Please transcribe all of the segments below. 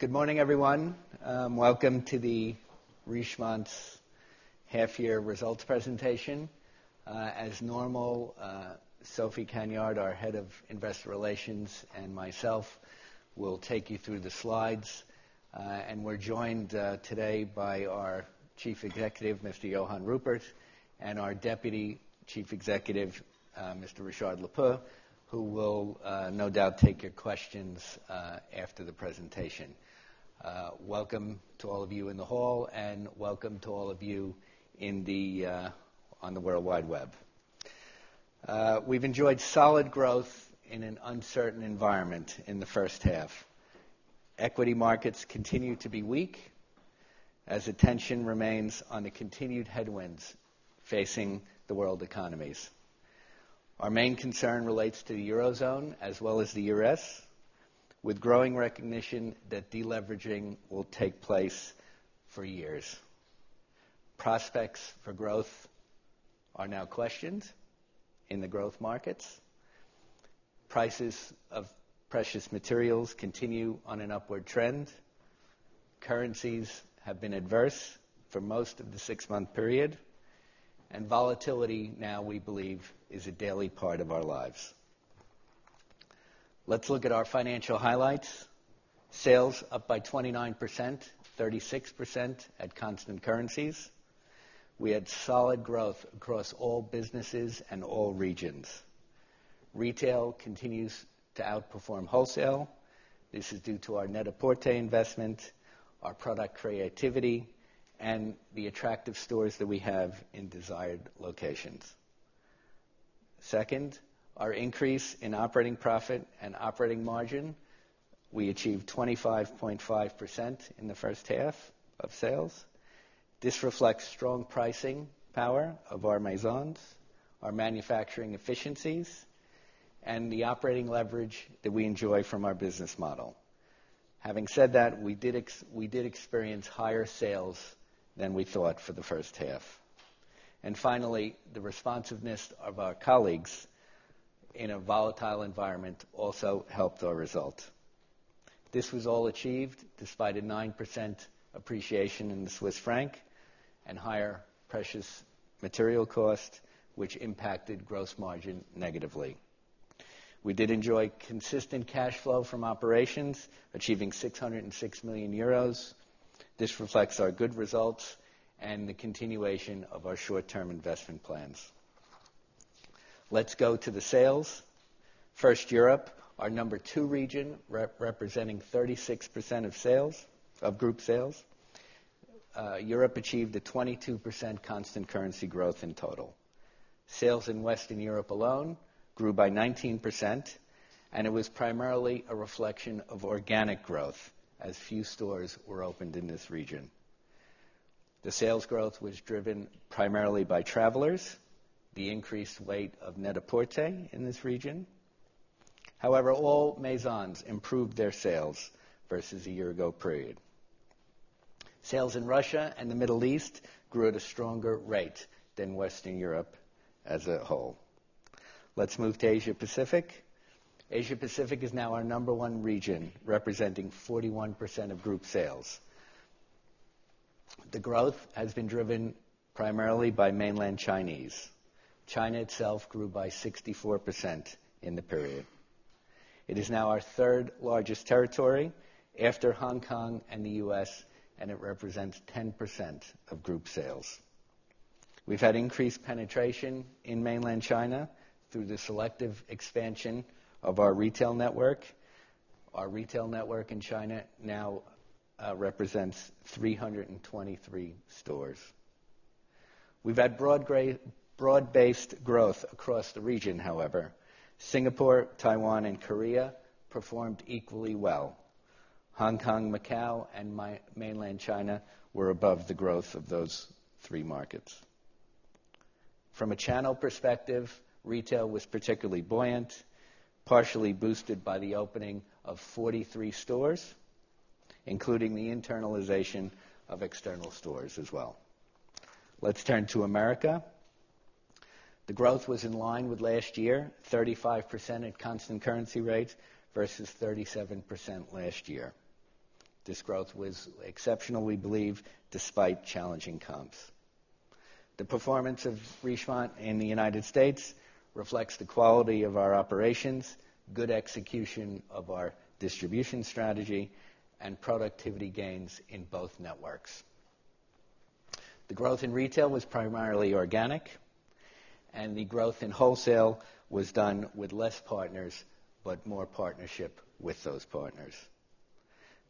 Good morning, everyone. Welcome to Richemont's half-year results presentation. As normal, Sophie Cagnard, our Head of Investor Relations, and myself will take you through the slides. We're joined`` today by our Chief Executive, Mr. Johann Rupert, and our Deputy Chief Executive, Mr. Richard Lepeu, who will no doubt take your questions after the presentation. Welcome to all of you in the hall and welcome to all of you on the World Wide Web. We've enjoyed solid growth in an uncertain environment in the first half. Equity markets continue to be weak as attention remains on the continued headwinds facing the world economies. Our main concern relates to the Eurozone as well as the U.S., with growing recognition that deleveraging will take place for years. Prospects for growth are now questioned in the growth markets. Prices of precious materials continue on an upward trend. Currencies have been adverse for most of the six-month period, and volatility now, we believe, is a daily part of our lives. Let's look at our financial highlights. Sales up by 29%, 36% at constant currency. We had solid growth across all businesses and all regions. Retail continues to outperform wholesale. This is due to our Net-a-Porter investment, our product creativity, and the attractive stores that we have in desired locations. Second, our increase in operating profit and operating margin. We achieved 25.5% in the first half of sales. This reflects strong pricing power of our maisons, our manufacturing efficiencies, and the operating leverage that we enjoy from our business model. Having said that, we did experience higher sales than we thought for the first half. Finally, the responsiveness of our colleagues in a volatile environment also helped our result. This was all achieved despite a 9% appreciation in the Swiss franc and higher precious material costs, which impacted gross margin negatively. We did enjoy consistent cash flow from operations, achieving 606 million euros. This reflects our good results and the continuation of our short-term investment plans. Let's go to the sales. First, Europe, our number two region representing 36% of group sales. Europe achieved a 22% constant currency growth in total. Sales in Western Europe alone grew by 19%, and it was primarily a reflection of organic growth as few stores were opened in this region. The sales growth was driven primarily by travelers, the increased rate of Net-a-Porter in this region. However, all maisons improved their sales versus a year ago period. Sales in Russia and the Middle East grew at a stronger rate than Western Europe as a whole. Let's move to Asia Pacific. Asia Pacific is now our number one region, representing 41% of group sales. The growth has been driven primarily by mainland Chinese. China itself grew by 64% in the period. It is now our third largest territory after Hong Kong and the U.S., and it represents 10% of group sales. We've had increased penetration in mainland China through the selective expansion of our retail network. Our retail network in China now represents 323 stores. We've had broad-based growth across the region, however. Singapore, Taiwan, and Korea performed equally well. Hong Kong, Macau, and mainland China were above the growth of those three markets. From a channel perspective, retail was particularly buoyant, partially boosted by the opening of 43 stores, including the internalization of external stores as well. Let's turn to the Americas. The growth was in line with last year, 35% at constant currency rates versus 37% last year. This growth was exceptional, we believe, despite challenging comps. The performance of Richemont in the United States reflects the quality of our operations, good execution of our distribution strategy, and productivity gains in both networks. The growth in retail was primarily organic, and the growth in wholesale was done with fewer partners but more partnership with those partners.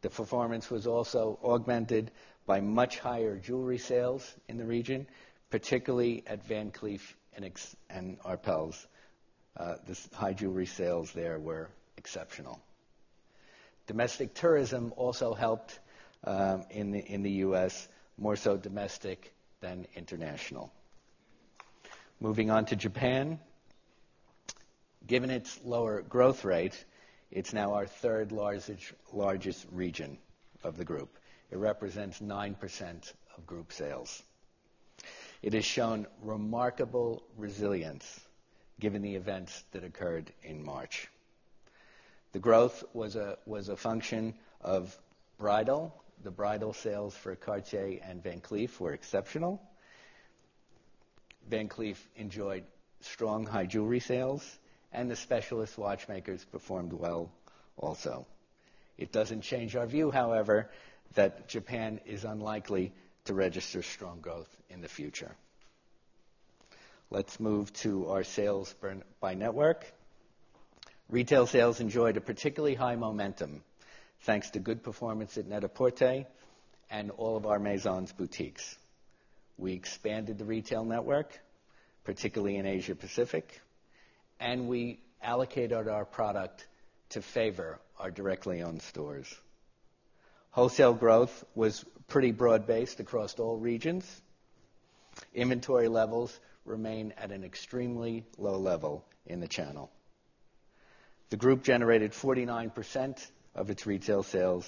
The performance was also augmented by much higher jewelry sales in the region, particularly at Van Cleef & Arpels. The high jewelry sales there were exceptional. Domestic tourism also helped in the U.S., more so domestic than international. Moving on to Japan. Given its lower growth rate, it's now our third largest region of the group. It represents 9% of group sales. It has shown remarkable resilience given the events that occurred in March. The growth was a function of bridal. The bridal sales for Cartier and Van Cleef were exceptional. Van Cleef enjoyed strong high jewelry sales, and the specialist watchmakers performed well also. It doesn't change our view, however, that Japan is unlikely to register strong growth in the future. Let's move to our sales by network. Retail sales enjoyed a particularly high momentum thanks to good performance at Net-a-Porter and all of our maisons' boutiques. We expanded the retail network, particularly in Asia Pacific, and we allocated our product to favor our directly owned stores. Wholesale growth was pretty broad-based across all regions. Inventory levels remain at an extremely low level in the channel. The group generated 49% of its retail sales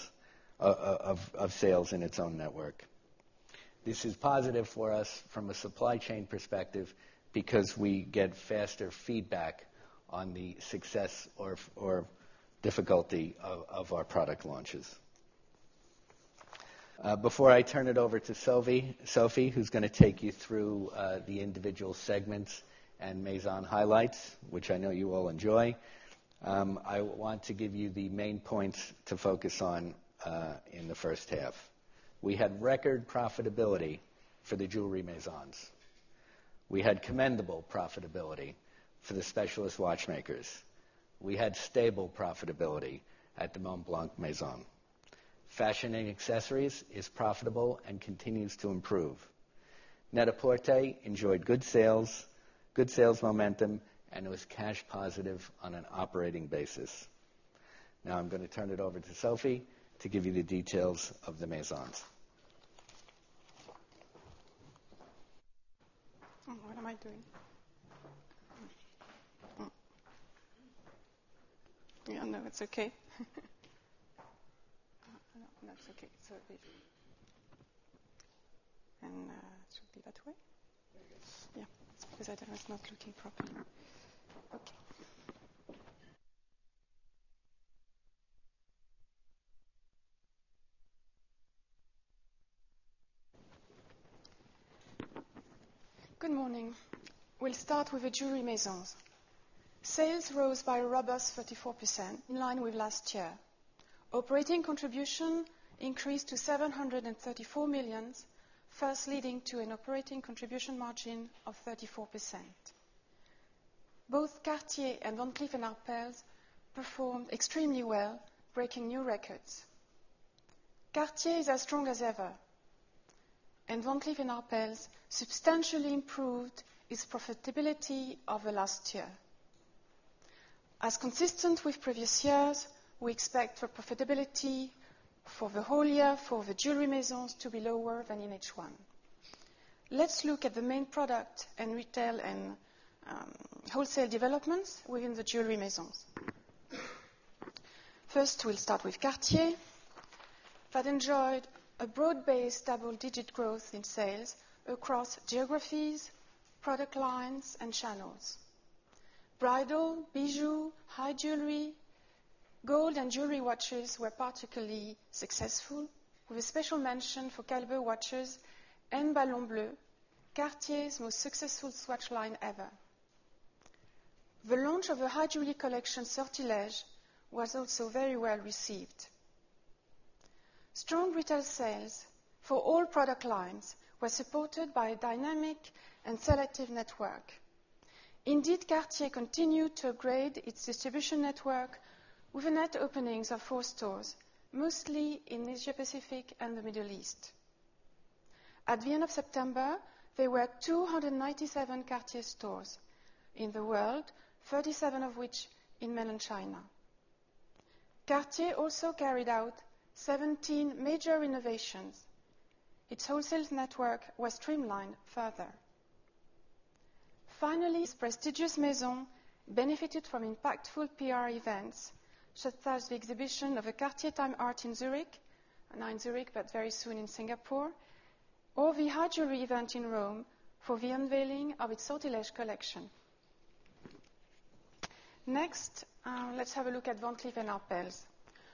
in its own network. This is positive for us from a supply chain perspective because we get faster feedback on the success or difficulty of our product launches. Before I turn it over to Sophie, who's going to take you through the individual segments and maison highlights, which I know you all enjoy, I want to give you the main points to focus on in the first half. We had record profitability for the jewelry maisons. We had commendable profitability for the specialist watchmakers. We had stable profitability at the Montblanc maison. Fashion and accessories is profitable and continues to improve. Net-a-Porter enjoyed good sales, good sales momentum, and was cash positive on an operating basis. Now I'm going to turn it over to Sophie to give you the details of the maisons. Good morning. We'll start with the jewelry maisons. Sales rose by a robust 34% in line with last year. Operating contribution increased to $734 million, first leading to an operating contribution margin of 34%. Both Cartier and Van Cleef & Arpels performed extremely well, breaking new records. Cartier is as strong as ever. Van Cleef & Arpels substantially improved its profitability over last year. As consistent with previous years, we expect profitability for the whole year for the jewelry maisons to be lower than in H1. Let's look at the main product and retail and wholesale developments within the jewelry maisons. First, we'll start with Cartier, that enjoyed a broad-based double-digit growth in sales across geographies, product lines, and channels. Bridal, bijoux, high jewelry, gold, and jewelry watches were particularly successful, with a special mention for Calvert watches and Ballon Bleu, Cartier's most successful watch line ever. The launch of a high-jewelry collection, Sortilèges, was also very well received. Strong retail sales for all product lines were supported by a dynamic and selective network. Indeed, Cartier continued to upgrade its distribution network with net openings of four stores, mostly in Asia Pacific and the Middle East. At the end of September, there were 297 Cartier stores in the world, 37 of which in mainland China. Cartier also carried out 17 major innovations. Its wholesale network was streamlined further. Finally, its prestigious maison benefited from impactful PR events, such as the exhibition of a Cartier time art in Zurich, not in Zurich, but very soon in Singapore, or the high-jewelry event in Rome for the unveiling of its Sortilèges collection. Next, let's have a look at Van Cleef & Arpels,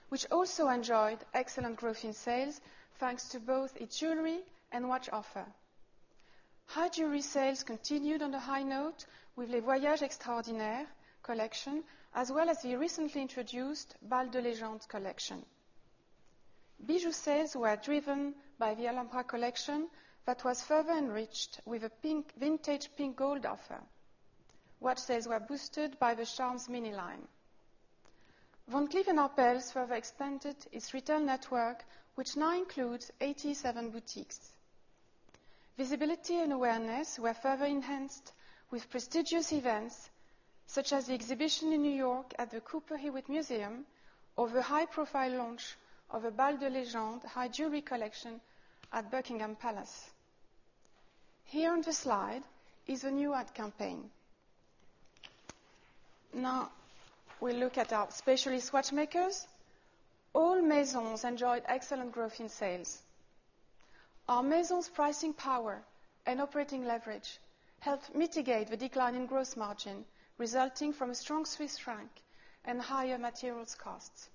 which also enjoyed excellent growth in sales thanks to both its jewelry and watch offer. High-jewelry sales continued on the high note with Les Voyages Extraordinaires collection, as well as the recently introduced Bals de Légende collection. Bijoux sales were driven by the Alhambra collection that was further enriched with a vintage pink gold offer. Watch sales were boosted by the Charmes mini line. Van Cleef & Arpels further expanded its retail network, which now includes 87 boutiques. Visibility and awareness were further enhanced with prestigious events, such as the exhibition in New York at the Cooper Hewitt Museum or the high-profile launch of a Bals de Légende high-jewelry collection at Buckingham Palace. Here on the slide is a new ad campaign. Now we'll look at our specialist watchmakers. All maisons enjoyed excellent growth in sales. Our maisons' pricing power and operating leverage helped mitigate the decline in gross margin, resulting from a strong Swiss franc and higher materials costs.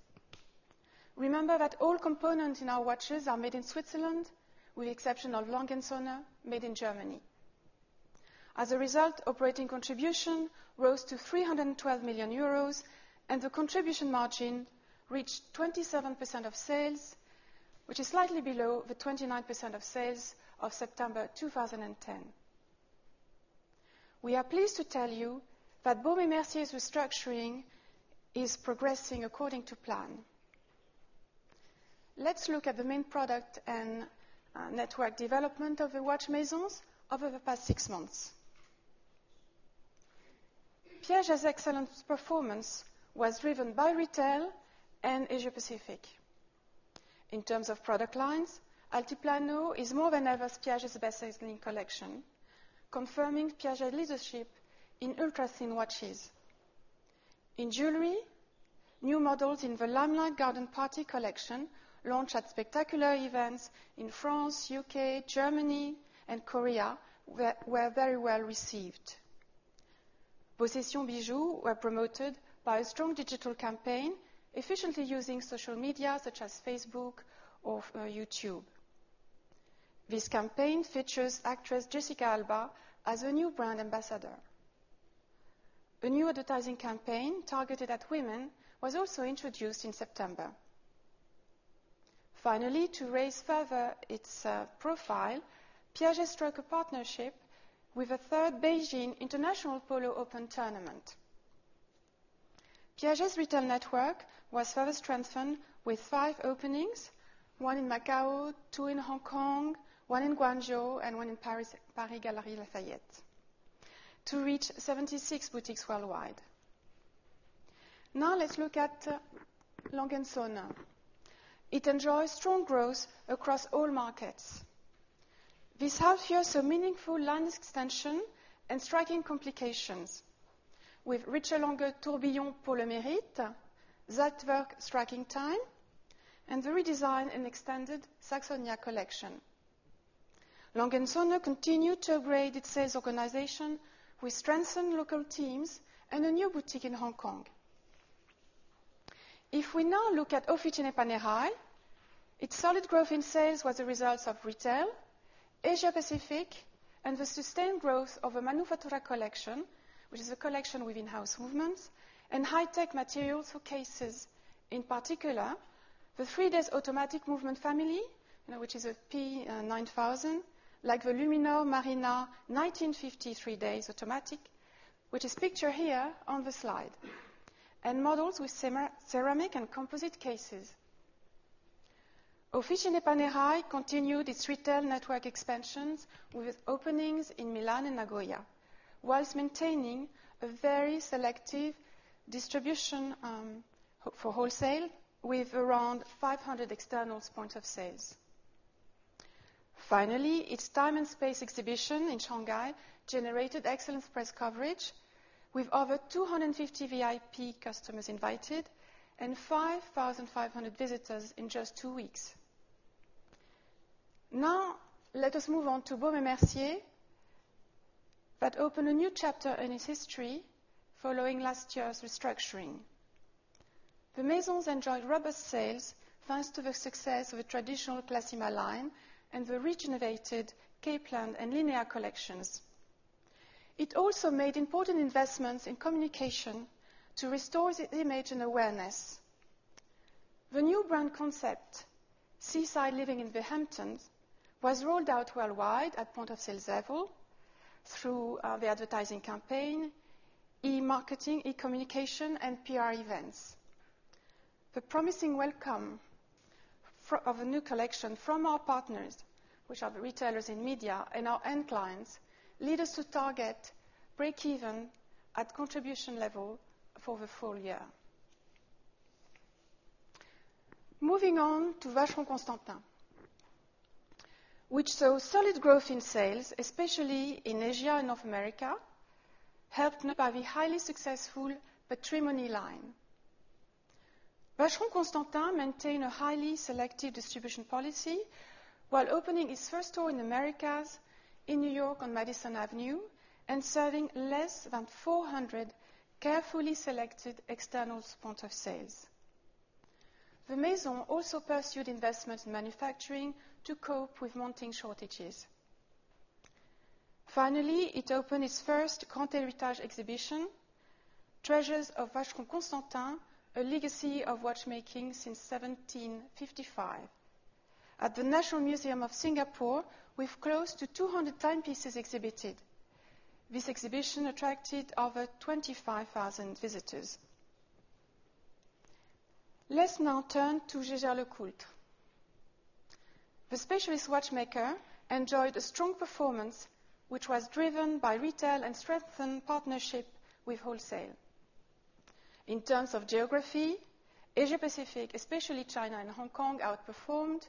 Remember that all components in our watches are made in Switzerland, with the exception of A. Lange & Söhne made in Germany. As a result, operating contribution rose to 312 million euros, and the contribution margin reached 27% of sales, which is slightly below the 29% of sales of September 2010. We are pleased to tell you that Baume & Mercier's restructuring is progressing according to plan. Let's look at the main product and network development of the watch maisons over the past six months. Piaget's excellent performance was driven by retail and Asia Pacific. In terms of product lines, Altiplano is more than ever Piaget's best-selling collection, confirming Piaget's leadership in ultra-thin watches. In jewelry, new models in the Limelight Garden Party collection launched at spectacular events in France, UK, Germany, and Korea were very well received. Possession bijoux were promoted by a strong digital campaign, efficiently using social media such as Facebook or YouTube. This campaign features actress Jessica Alba as a new brand ambassador. A new advertising campaign targeted at women was also introduced in September. Finally, to raise further its profile, Piaget struck a partnership with a third Beijing International Polo Open tournament. Piaget's retail network was further strengthened with five openings: one in Macau, two in Hong Kong, one in Guangzhou, and one in Paris Galeries Lafayette, to reach 76 boutiques worldwide. Now let's look at A. Lange & Söhne. It enjoys strong growth across all markets. This house shows a meaningful line extension and striking complications, with Richard Lange Tourbillon Pour le Mérite, Zeitwerk Striking Time, and the redesigned and extended Saxonia collection. A. Lange & Söhne continued to upgrade its sales organization with strengthened local teams and a new boutique in Hong Kong. If we now look at Officine Panerai, its solid growth in sales was a result of retail, Asia Pacific, and the sustained growth of the Manufactura collection, which is a collection with in-house movements and high-tech materials for cases. In particular, the three-days automatic movement family, which is a P9000, like the Luminor Marina 1950 three-days automatic, which is pictured here on the slide, and models with ceramic and composite cases. Officine Panerai continued its retail network expansions with openings in Milan and Nagoya whilst maintaining a very selective distribution for wholesale with around 500 external points of sales. Finally, its Time and Space exhibition in Shanghai generated excellent press coverage with over 250 VIP customers invited and 5,500 visitors in just two weeks. Now let us move on to Baume & Mercier that opened a new chapter in its history following last year's restructuring. The maison enjoyed robust sales thanks to the success of a traditional Classima line and the re-generated Capeland and Linea collections. It also made important investments in communication to restore its image and awareness. The new brand concept, Seaside Living in the Hamptons, was rolled out worldwide at point of sales level through the advertising campaign, e-marketing, e-communication, and PR events. The promising welcome of a new collection from our partners, which are the retailers in media and our end clients, led us to target break-even at contribution level for the full year. Moving on to Vacheron Constantin, which saw solid growth in sales, especially in Asia and North America, helped by the highly successful Patrimony line. Vacheron Constantin maintained a highly selective distribution policy while opening its first store in the Americas in New York on Madison Avenue and serving less than 400 carefully selected external points of sales. The maison also pursued investments in manufacturing to cope with mounting shortages. Finally, it opened its first Grand Heritage exhibition, Treasures of Vacheron Constantin, a legacy of watchmaking since 1755. At the National Museum of Singapore, we have close to 200 timepieces exhibited. This exhibition attracted over 25,000 visitors. Let's now turn to Jérôme Lambert. The specialist watchmaker enjoyed a strong performance, which was driven by retail and strengthened partnership with wholesale. In terms of geography, Asia Pacific, especially China and Hong Kong, outperformed.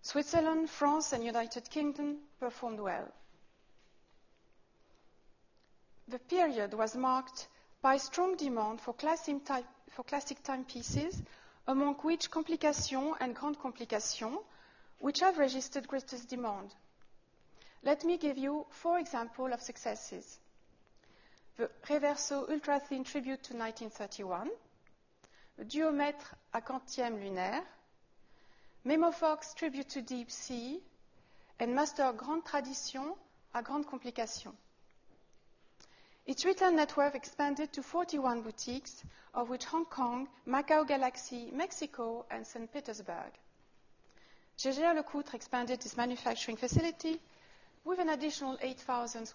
Switzerland, France, and the United Kingdom performed well. The period was marked by strong demand for classic timepieces, among which Complication and Grand Complication, which have registered greatest demand. Let me give you four examples of successes: the Reverso Ultra Thin Tribute to 1931, the Duomètre à Quantième Lunaire, Memovox Tribute to Deep Sea, and Master Grand Tradition à Grand Complication. Its retail network expanded to 41 boutiques, of which Hong Kong, Macau Galaxy, Mexico, and Saint Petersburg. Gérôme expanded its manufacturing facility with an additional 8,000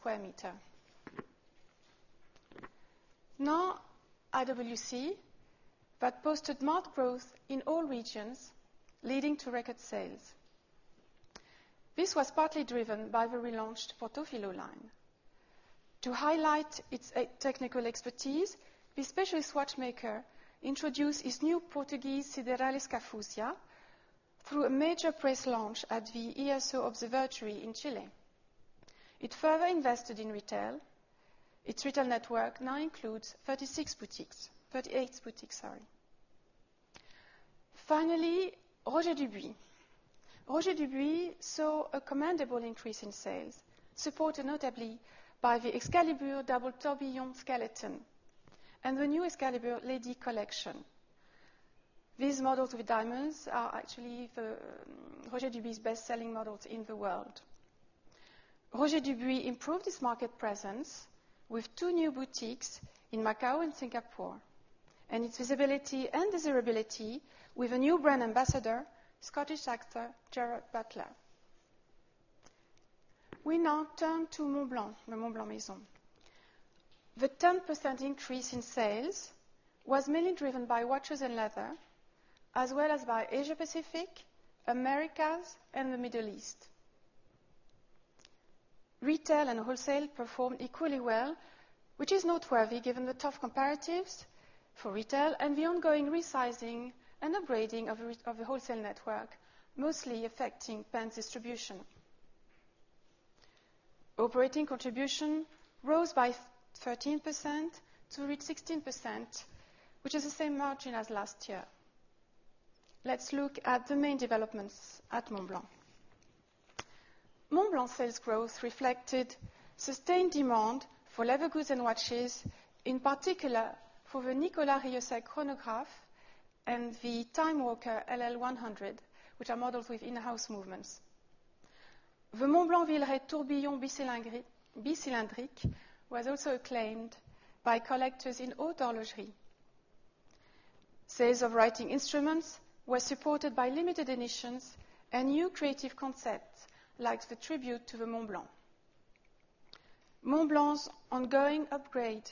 sqm. Now, IWC had posted marked growth in all regions, leading to record sales. This was partly driven by the relaunched Portofino line. To highlight its technical expertise, the specialist watchmaker introduced its new Portuguese Sideralis Cœlestis through a major press launch at the ESO Observatory in Chile. It further invested in retail. Its retail network now includes 36 boutiques, 38 boutiques, sorry. Finally, Roger Dubuis. Roger Dubuis saw a commendable increase in sales, supported notably by the Excalibur Double Tourbillon Skeleton and the new Excalibur Lady collection. These models with diamonds are actually the Roger Dubuis's best-selling models in the world. Roger Dubuis improved its market presence with two new boutiques in Macau and Singapore, and its visibility and desirability with a new brand ambassador, Scottish actor Gerard Butler. We now turn to Montblanc, the Montblanc maison. The 10% increase in sales was mainly driven by watches and leather, as well as by Asia Pacific, Americas, and the Middle East. Retail and wholesale performed equally well, which is noteworthy given the tough comparatives for retail and the ongoing resizing and upgrading of the wholesale network, mostly affecting pens distribution. Operating contribution rose by 13% to reach 16%, which is the same margin as last year. Let's look at the main developments at Montblanc. Montblanc sales growth reflected sustained demand for leather goods and watches, in particular for the Nicolas Rieussec Chronograph and the TimeWalker LL100, which are models with in-house movements. The Montblanc Villeret Tourbillon Bi-Cylindrique was also acclaimed by collectors in haute horlogerie. Sales of writing instruments were supported by limited editions and new creative concepts like the tribute to the Montblanc. Montblanc's ongoing upgrade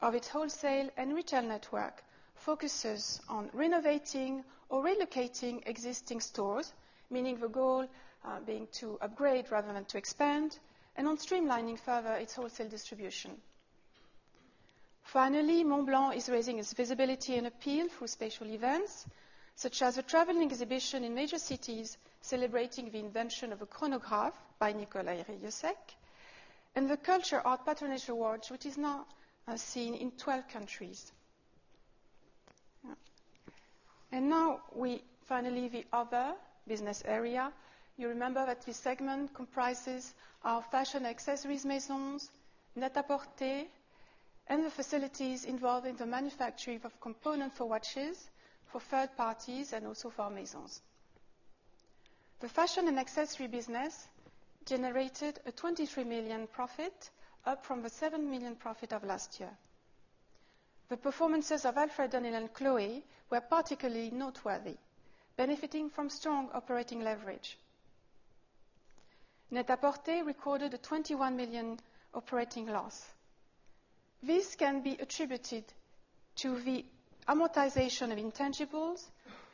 of its wholesale and retail network focuses on renovating or relocating existing stores, meaning the goal being to upgrade rather than to expand, and on streamlining further its wholesale distribution. Finally, Montblanc is raising its visibility and appeal through special events, such as a traveling exhibition in major cities celebrating the invention of a chronograph by Nicolas Rieussec and the Culture Art Patronage Awards, which is now seen in 12 countries. Now we finally reach the other business area. You remember that this segment comprises our fashion and accessories maisons, Net-a-Porter, and the facilities involving the manufacturing of components for watches for third parties and also for our maisons. The fashion and accessory business generated a $23 million profit, up from the $7 million profit of last year. The performances of Alfred Dunhill, Chloé, and others were particularly noteworthy, benefiting from strong operating leverage. Net-a-Porter recorded a $21 million operating loss. This can be attributed to the amortization of intangibles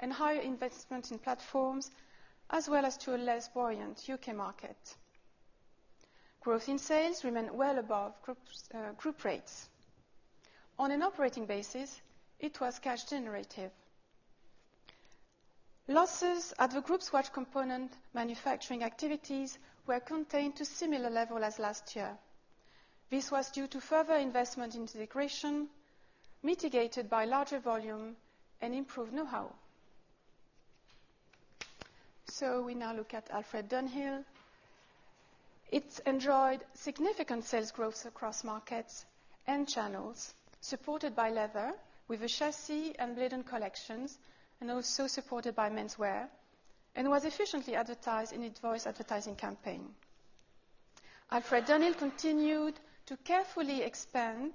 and higher investment in platforms, as well as to a less buoyant UK market. Growth in sales remained well above group rates. On an operating basis, it was cash generative. Losses at the group's watch component manufacturing activities were contained to a similar level as last year. This was due to further investment in integration, mitigated by larger volume and improved know-how. We now look at Alfred Dunhill. It enjoyed significant sales growth across markets and channels, supported by leather with the Chassis and Linen collections, and also supported by menswear, and was efficiently advertised in its Voice advertising campaign. Alfred Dunhill continued to carefully expand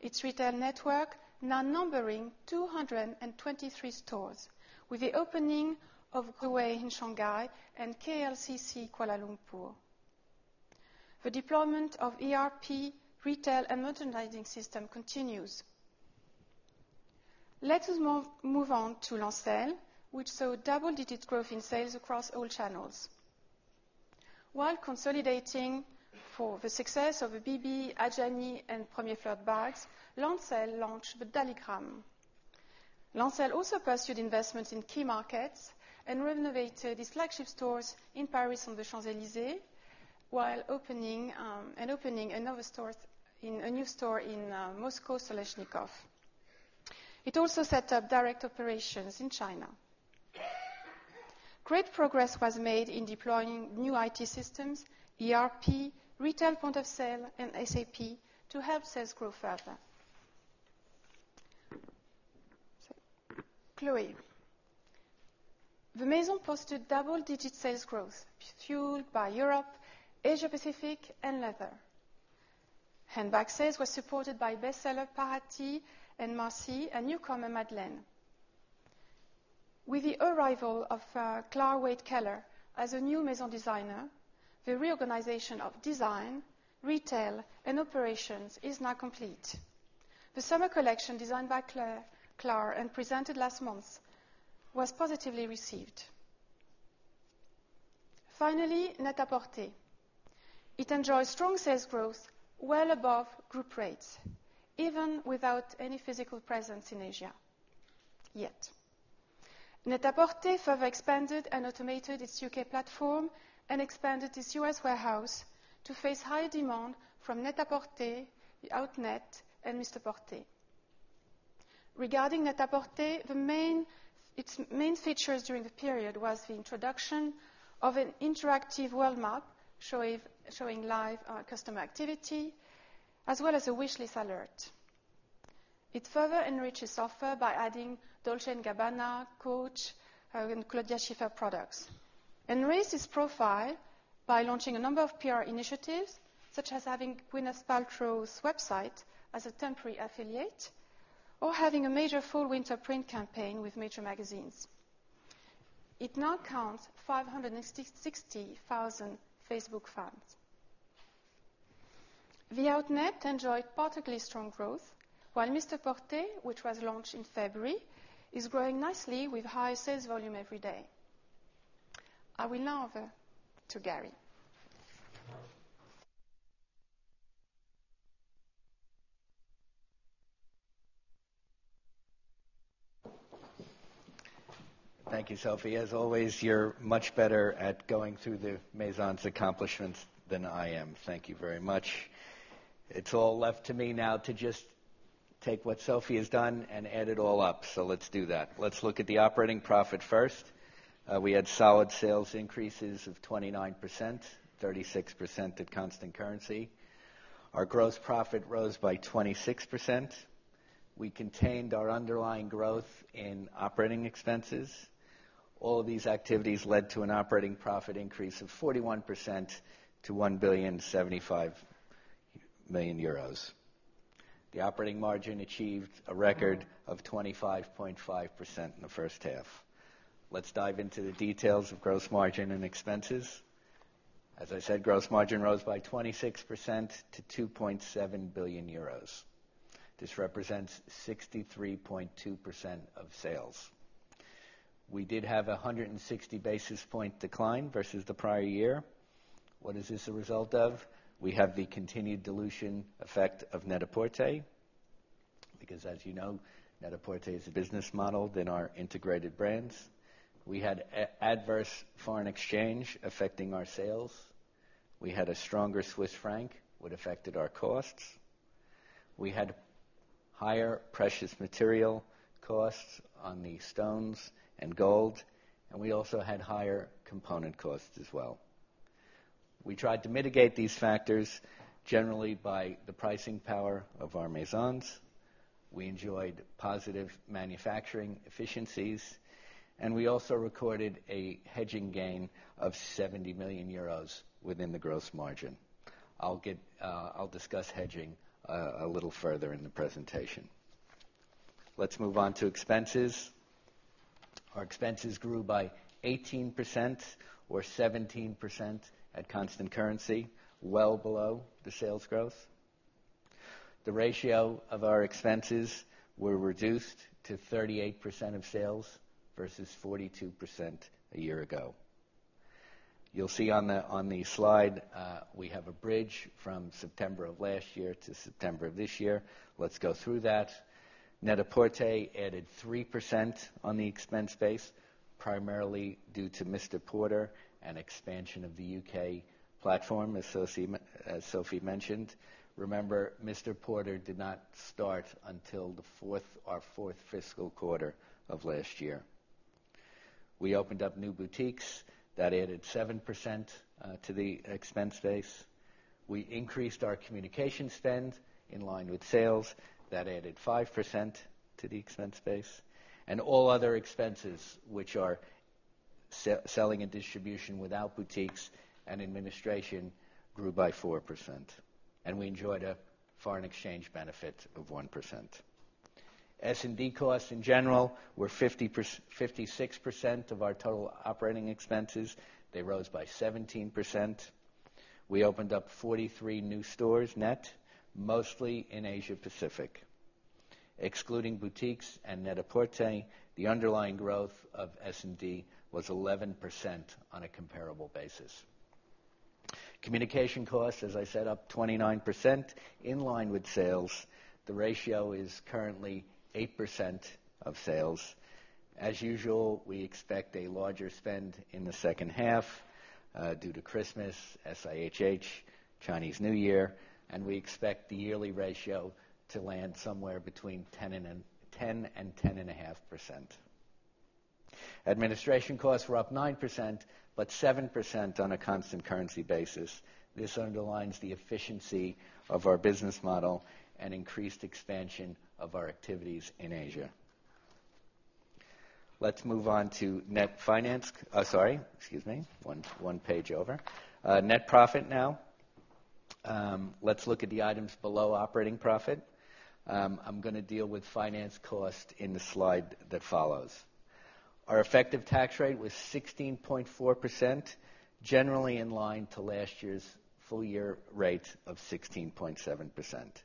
its retail network, now numbering 223 stores, with the opening of Guwei in Shanghai and KLCC Kuala Lumpur. The deployment of ERP retail and merchandising system continues. Let us move on to Lancel, which saw double-digit growth in sales across all channels. While consolidating for the success of BB, Adjani, and Premier Fleur de Bars, Lancel launched the Daligram. Lancel also pursued investments in key markets and renovated its flagship stores in Paris on the Champs-Élysées, while opening a new store in Moscow Stoleshnikov. It also set up direct operations in China. Great progress was made in deploying new IT systems, ERP, retail point of sale, and SAP to help sales grow further. Chloé. The maison posted double-digit sales growth, fueled by Europe, Asia Pacific, and leather. Handbag sales were supported by bestseller Paraty and Marcie and newcomer Madeleine. With the arrival of Clare Waight Keller as a new maison designer, the reorganization of design, retail, and operations is now complete. The summer collection designed by Clare and presented last month was positively received. Finally, Net-a-Porter. It enjoys strong sales growth well above group rates, even without any physical presence in Asia yet. Net-a-Porter further expanded and automated its UK platform and expanded its US warehouse to face high demand from Net-a-Porter, The Outnet, and Mr Porter. Regarding Net-a-Porter, its main features during the period were the introduction of an interactive world map showing live customer activity, as well as a wishlist alert. It further enriched its offer by adding Dolce & Gabbana, Coach, and Claudia Schiffer products, and raised its profile by launching a number of PR initiatives, such as having Gwyneth Paltrow's website as a temporary affiliate or having a major full winter print campaign with major magazines. It now counts 560,000 Facebook fans. The Outnet enjoyed partly strong growth, while Mr Porter, which was launched in February, is growing nicely with high sales volume every day. I will now hand over to Gary. Thank you, Sophie. As always, you're much better at going through the maisons' accomplishments than I am. Thank you very much. It's all left to me now to just take what Sophie has done and add it all up. Let's do that. Let's look at the operating profit first. We had solid sales increases of 29%, 36% at constant currency. Our gross profit rose by 26%. We contained our underlying growth in operating expenses. All of these activities led to an operating profit increase of 41% to 1.075 billion. The operating margin achieved a record of 25.5% in the first half. Let's dive into the details of gross margin and expenses. As I said, gross margin rose by 26% to 2.7 billion euros. This represents 63.2% of sales. We did have a 160 basis point decline versus the prior year. What is this a result of? We have the continued dilution effect of Net-a-Porter, because as you know, Net-a-Porter is a business model in our integrated brands. We had adverse foreign exchange affecting our sales. We had a stronger Swiss franc, which affected our costs. We had higher precious material costs on the stones and gold, and we also had higher component costs as well. We tried to mitigate these factors generally by the pricing power of our maisons. We enjoyed positive manufacturing efficiencies, and we also recorded a hedging gain of 70 million euros within the gross margin. I'll discuss hedging a little further in the presentation. Let's move on to expenses. Our expenses grew by 18% or 17% at constant currency, well below the sales growth. The ratio of our expenses was reduced to 38% of sales versus 42% a year ago. You'll see on the slide we have a bridge from September of last year to September of this year. Let's go through that. Net-a-Porter added 3% on the expense base, primarily due to Mr Porter and expansion of the UK platform, as Sophie mentioned. Remember, Mr Porter did not start until our fourth fiscal quarter of last year. We opened up new boutiques that added 7% to the expense base. We increased our communication spend in line with sales that added 5% to the expense base, and all other expenses, which are selling and distribution without boutiques and administration, grew by 4%. We enjoyed a foreign exchange benefit of 1%. S&D costs in general were 56% of our total operating expenses. They rose by 17%. We opened up 43 new stores net, mostly in Asia Pacific. Excluding boutiques and Net-a-Porter, the underlying growth of S&D was 11% on a comparable basis. Communication costs, as I said, up 29% in line with sales. The ratio is currently 8% of sales. As usual, we expect a larger spend in the second half due to Christmas, SIHH, Chinese New Year, and we expect the yearly ratio to land somewhere between 10% and 10.5%. Administration costs were up 9%, but 7% on a constant currency basis. This underlines the efficiency of our business model and increased expansion of our activities in Asia. Let's move on to net finance. Sorry, excuse me, one page over. Net profit now. Let's look at the items below operating profit. I'm going to deal with finance cost in the slide that follows. Our effective tax rate was 16.4%, generally in line to last year's full-year rate of 16.7%.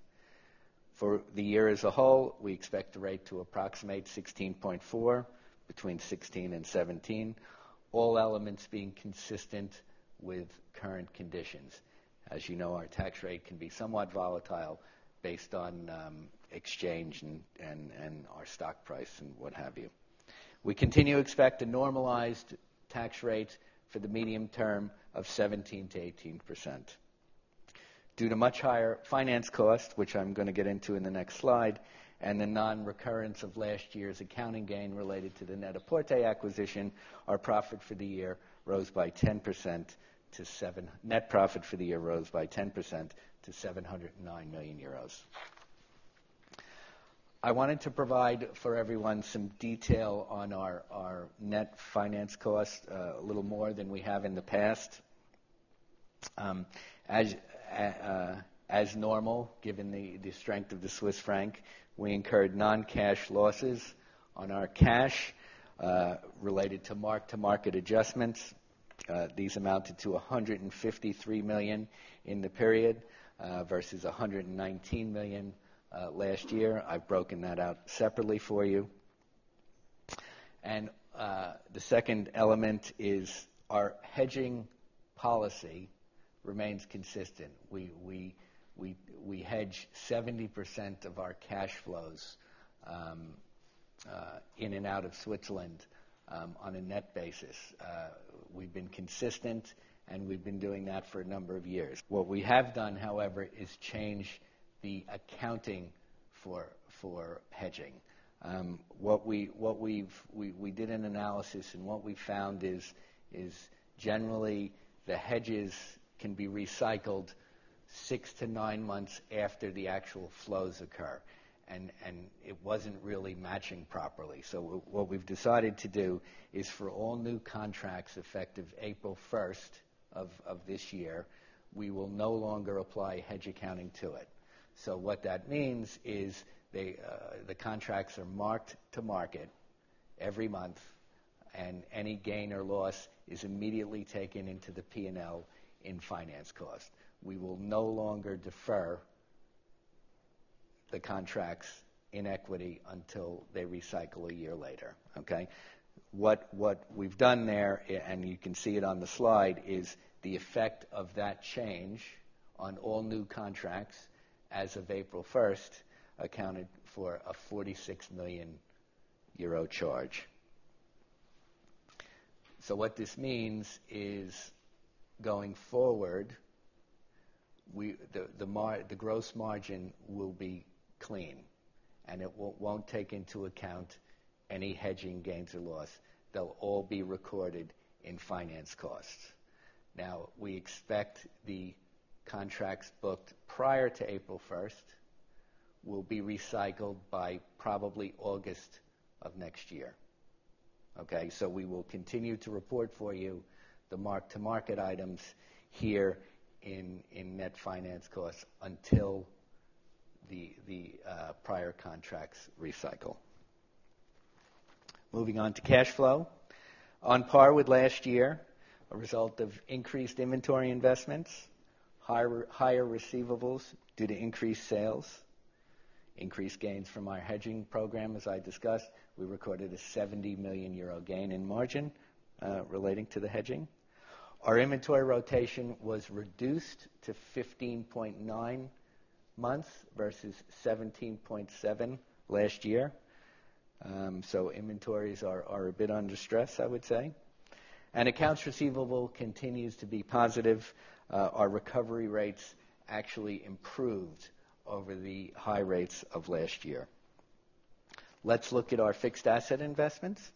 For the year as a whole, we expect the rate to approximate 16.4% between 2016 and 2017, all elements being consistent with current conditions. As you know, our tax rate can be somewhat volatile based on exchange and our stock price and what have you. We continue to expect a normalized tax rate for the medium term of 17%-18%. Due to much higher finance costs, which I'm going to get into in the next slide, and the non-recurrence of last year's accounting gain related to the Net-a-Porter acquisition, our profit for the year rose by 10% to seven. Net profit for the year rose by 10% to 709 million euros. I wanted to provide for everyone some detail on our net finance costs, a little more than we have in the past. As normal, given the strength of the Swiss franc, we incurred non-cash losses on our cash related to mark-to-market adjustments. These amounted to 153 million in the period versus 119 million last year. I've broken that out separately for you. The second element is our hedging policy remains consistent. We hedge 70% of our cash flows in and out of Switzerland on a net basis. We've been consistent, and we've been doing that for a number of years. What we have done, however, is change the accounting for hedging. We did an analysis, and what we found is generally the hedges can be recycled six to nine months after the actual flows occur, and it wasn't really matching properly. What we've decided to do is for all new contracts effective April 1 of this year, we will no longer apply hedge accounting to it. What that means is the contracts are marked to market every month, and any gain or loss is immediately taken into the P&L in finance cost. We will no longer defer the contracts in equity until they recycle a year later. Okay, what we've done there, and you can see it on the slide, is the effect of that change on all new contracts as of April 1st accounted for a 46 million euro charge. What this means is going forward, the gross margin will be clean, and it won't take into account any hedging gains or loss. They'll all be recorded in finance costs. We expect the contracts booked prior to April 1st will be recycled by probably August of next year. We will continue to report for you the marked to market items here in net finance costs until the prior contracts recycle. Moving on to cash flow. On par with last year, a result of increased inventory investments, higher receivables due to increased sales, increased gains from our hedging program. As I discussed, we recorded a 70 million euro gain in margin relating to the hedging. Our inventory rotation was reduced to 15.9 months versus 17.7 last year. Inventories are a bit under stress, I would say. Accounts receivable continues to be positive. Our recovery rates actually improved over the high rates of last year. Let's look at our fixed asset investments.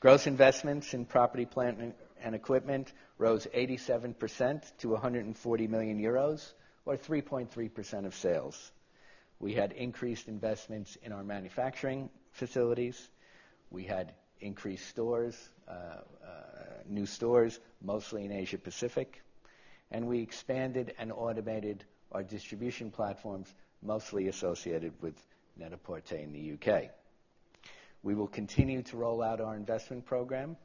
Gross investments in property, plant, and equipment rose 87% to 140 million euros, or 3.3% of sales. We had increased investments in our manufacturing facilities. We had increased new stores, mostly in Asia Pacific, and we expanded and automated our distribution platforms, mostly associated with Net-a-Porter in the UK. We will continue to roll out our investment program.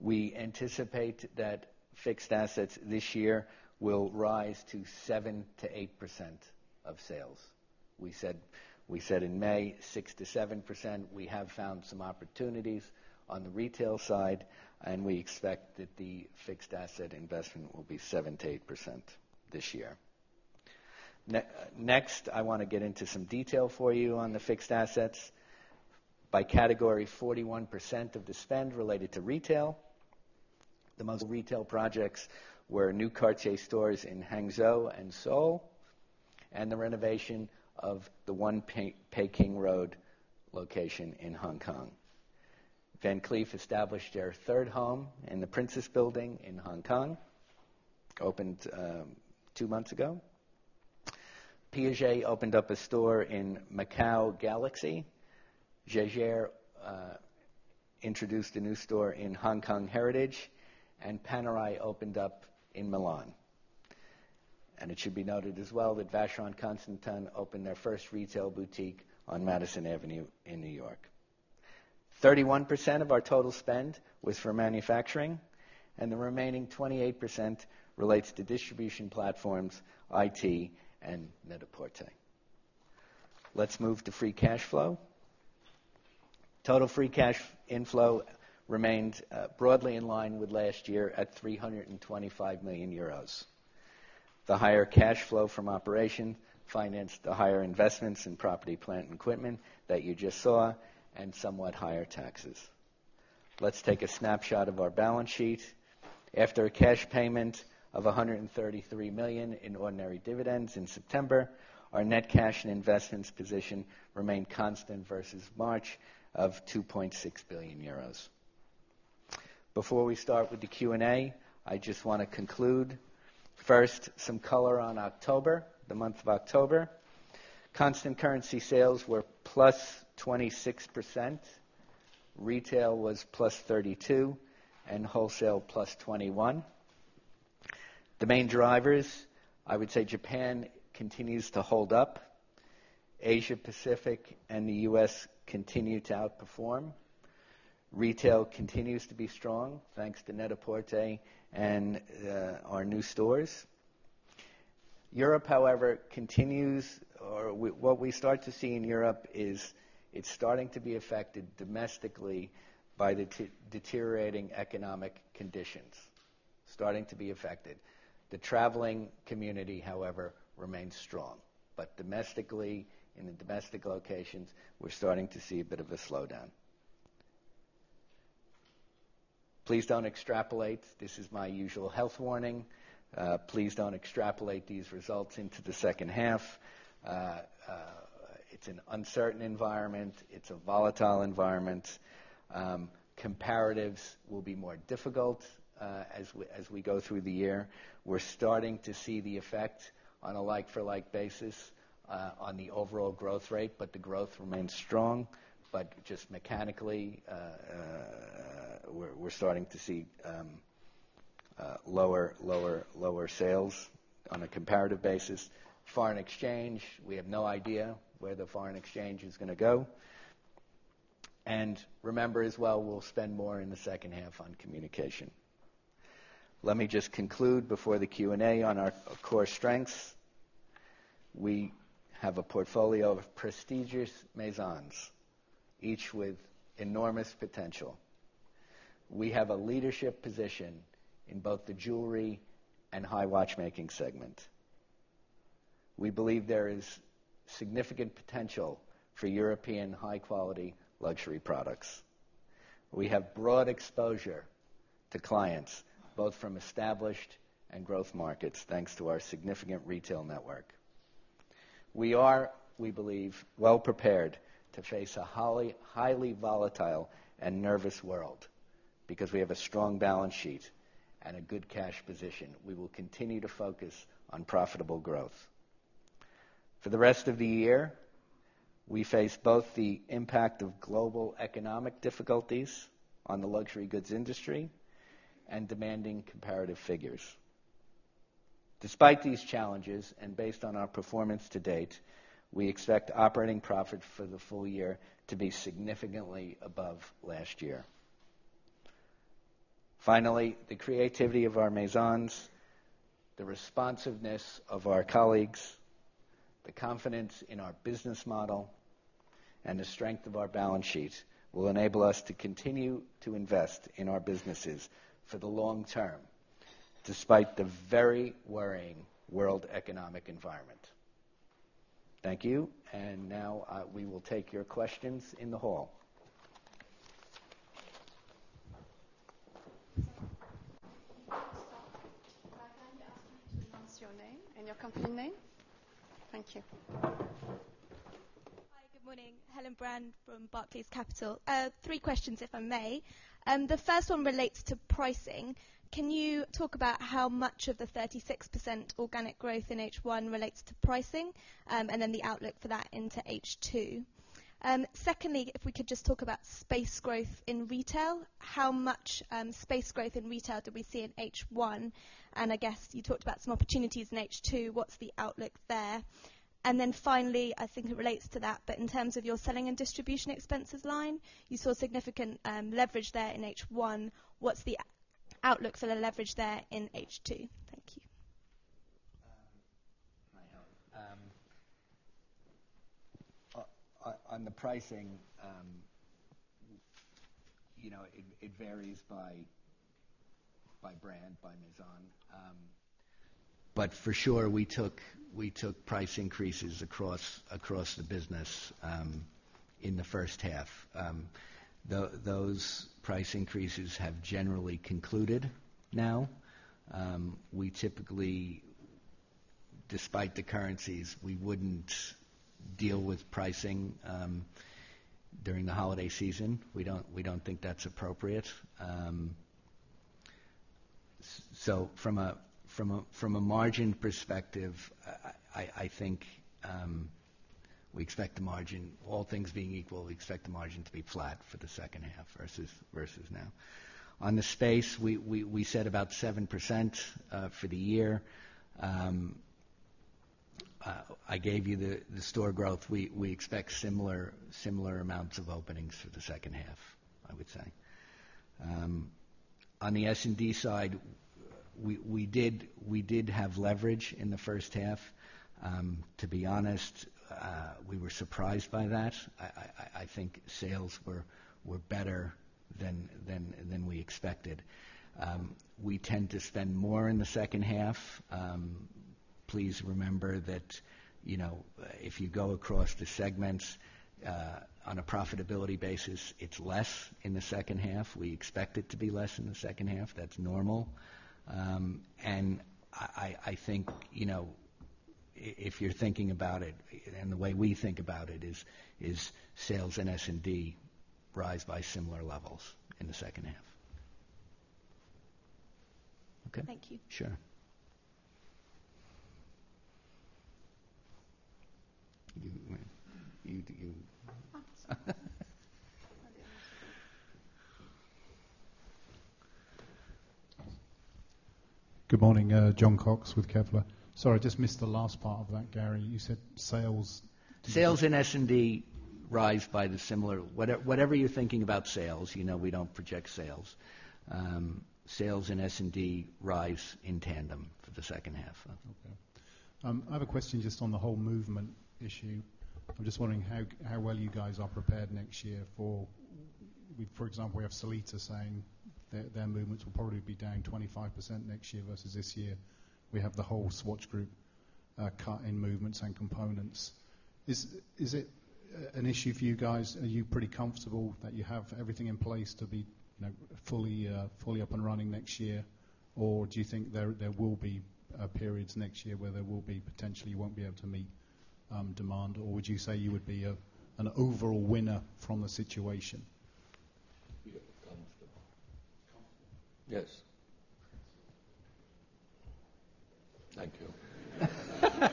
We anticipate that fixed assets this year will rise to 7%-8% of sales. We said in May, 6%-7%. We have found some opportunities on the retail side, and we expect that the fixed asset investment will be 7%-8% this year. Next, I want to get into some detail for you on the fixed assets. By category, 41% of the spend related to retail. The most retail projects were new Cartier stores in Hangzhou and Seoul and the renovation of the One Peking Road location in Hong Kong. Van Cleef established their third home in the Prince's Building in Hong Kong, opened two months ago. Piaget opened up a store in Macau Galaxy. Jaeger introduced a new store in Hong Kong Heritage, and Officine Panerai opened up in Milan. It should be noted as well that Vacheron Constantin opened their first retail boutique on Madison Avenue in New York. 31% of our total spend was for manufacturing, and the remaining 28% relates to distribution platforms, IT, and Net-a-Porter. Let's move to free cash flow. Total free cash inflow remained broadly in line with last year at 325 million euros. The higher cash flow from operations financed the higher investments in property, plant, and equipment that you just saw, and somewhat higher taxes. Let's take a snapshot of our balance sheet. After a cash payment of 133 million in ordinary dividends in September, our net cash and investments position remained constant versus March at 2.6 billion euros. Before we start with the Q&A, I just want to conclude. First, some color on October, the month of October. Constant currency sales were +26%, retail was +32%, and wholesale +21%. The main drivers, I would say, Japan continues to hold up. Asia Pacific and the U.S. continue to outperform. Retail continues to be strong thanks to Net-a-Porter and our new stores. Europe, however, continues, or what we start to see in Europe is it's starting to be affected domestically by the deteriorating economic conditions, starting to be affected. The traveling community, however, remains strong. Domestically, in the domestic locations, we're starting to see a bit of a slowdown. Please don't extrapolate. This is my usual health warning. Please don't extrapolate these results into the second half. It's an uncertain environment. It's a volatile environment. Comparatives will be more difficult as we go through the year. We're starting to see the effects on a like-for-like basis on the overall growth rate, but the growth remains strong. Just mechanically, we're starting to see lower sales on a comparative basis. Foreign exchange, we have no idea where the foreign exchange is going to go. Remember as well, we'll spend more in the second half on communication. Let me just conclude before the Q&A on our core strengths. We have a portfolio of prestigious maisons, each with enormous potential. We have a leadership position in both the jewelry and high watchmaking segment. We believe there is significant potential for European high-quality luxury products. We have broad exposure to clients, both from established and growth markets, thanks to our significant retail network. We are, we believe, well-prepared to face a highly volatile and nervous world because we have a strong balance sheet and a good cash position. We will continue to focus on profitable growth. For the rest of the year, we face both the impact of global economic difficulties on the luxury goods industry and demanding comparative figures. Despite these challenges and based on our performance to date, we expect operating profit for the full year to be significantly above last year. Finally, the creativity of our maisons, the responsiveness of our colleagues, the confidence in our business model, and the strength of our balance sheet will enable us to continue to invest in our businesses for the long term, despite the very worrying world economic environment. Thank you. We will now take your questions in the hall. Your company name? Thank you. Hi, good morning. Helen Brand from Barclays Capital. Three questions, if I may. The first one relates to pricing. Can you talk about how much of the 36% organic growth in H1 relates to pricing, and then the outlook for that into H2? Secondly, if we could just talk about space growth in retail, how much space growth in retail do we see in H1? I guess you talked about some opportunities in H2. What's the outlook there? Finally, I think it relates to that, but in terms of your selling and distribution expenses line, you saw significant leverage there in H1. What's the outlook for the leverage there in H2? Thank you. I am. On the pricing, you know, it varies by brand, by maison. For sure, we took price increases across the business in the first half. Those price increases have generally concluded now. Despite the currencies, we wouldn't deal with pricing during the holiday season. We don't think that's appropriate. From a margin perspective, I think we expect the margin, all things being equal, to be flat for the second half versus now. On the space, we said about 7% for the year. I gave you the store growth. We expect similar amounts of openings for the second half, I would say. On the S&D side, we did have leverage in the first half. To be honest, we were surprised by that. I think sales were better than we expected. We tend to spend more in the second half. Please remember that if you go across the segments on a profitability basis, it's less in the second half. We expect it to be less in the second half. That's normal. If you're thinking about it, and the way we think about it is sales and S&D rise by similar levels in the second half. Okay. Thank you. Sure. Good morning. John Cox with Kevlar. Sorry, I just missed the last part of that, Gary. You said sales. Sales and S&D rise by the similar, whatever you're thinking about sales, you know, we don't project sales. Sales and S&D rise in tandem for the second half. Okay. I have a question just on the whole movement issue. I'm just wondering how well you guys are prepared next year for, for example, we have Sellita saying that their movements will probably be down 25% next year versus this year. We have the whole Swatch Group cutting movements and components. Is it an issue for you guys? Are you pretty comfortable that you have everything in place to be fully up and running next year? Do you think there will be periods next year where potentially you won't be able to meet demand? Would you say you would be an overall winner from the situation? Yes, thank you.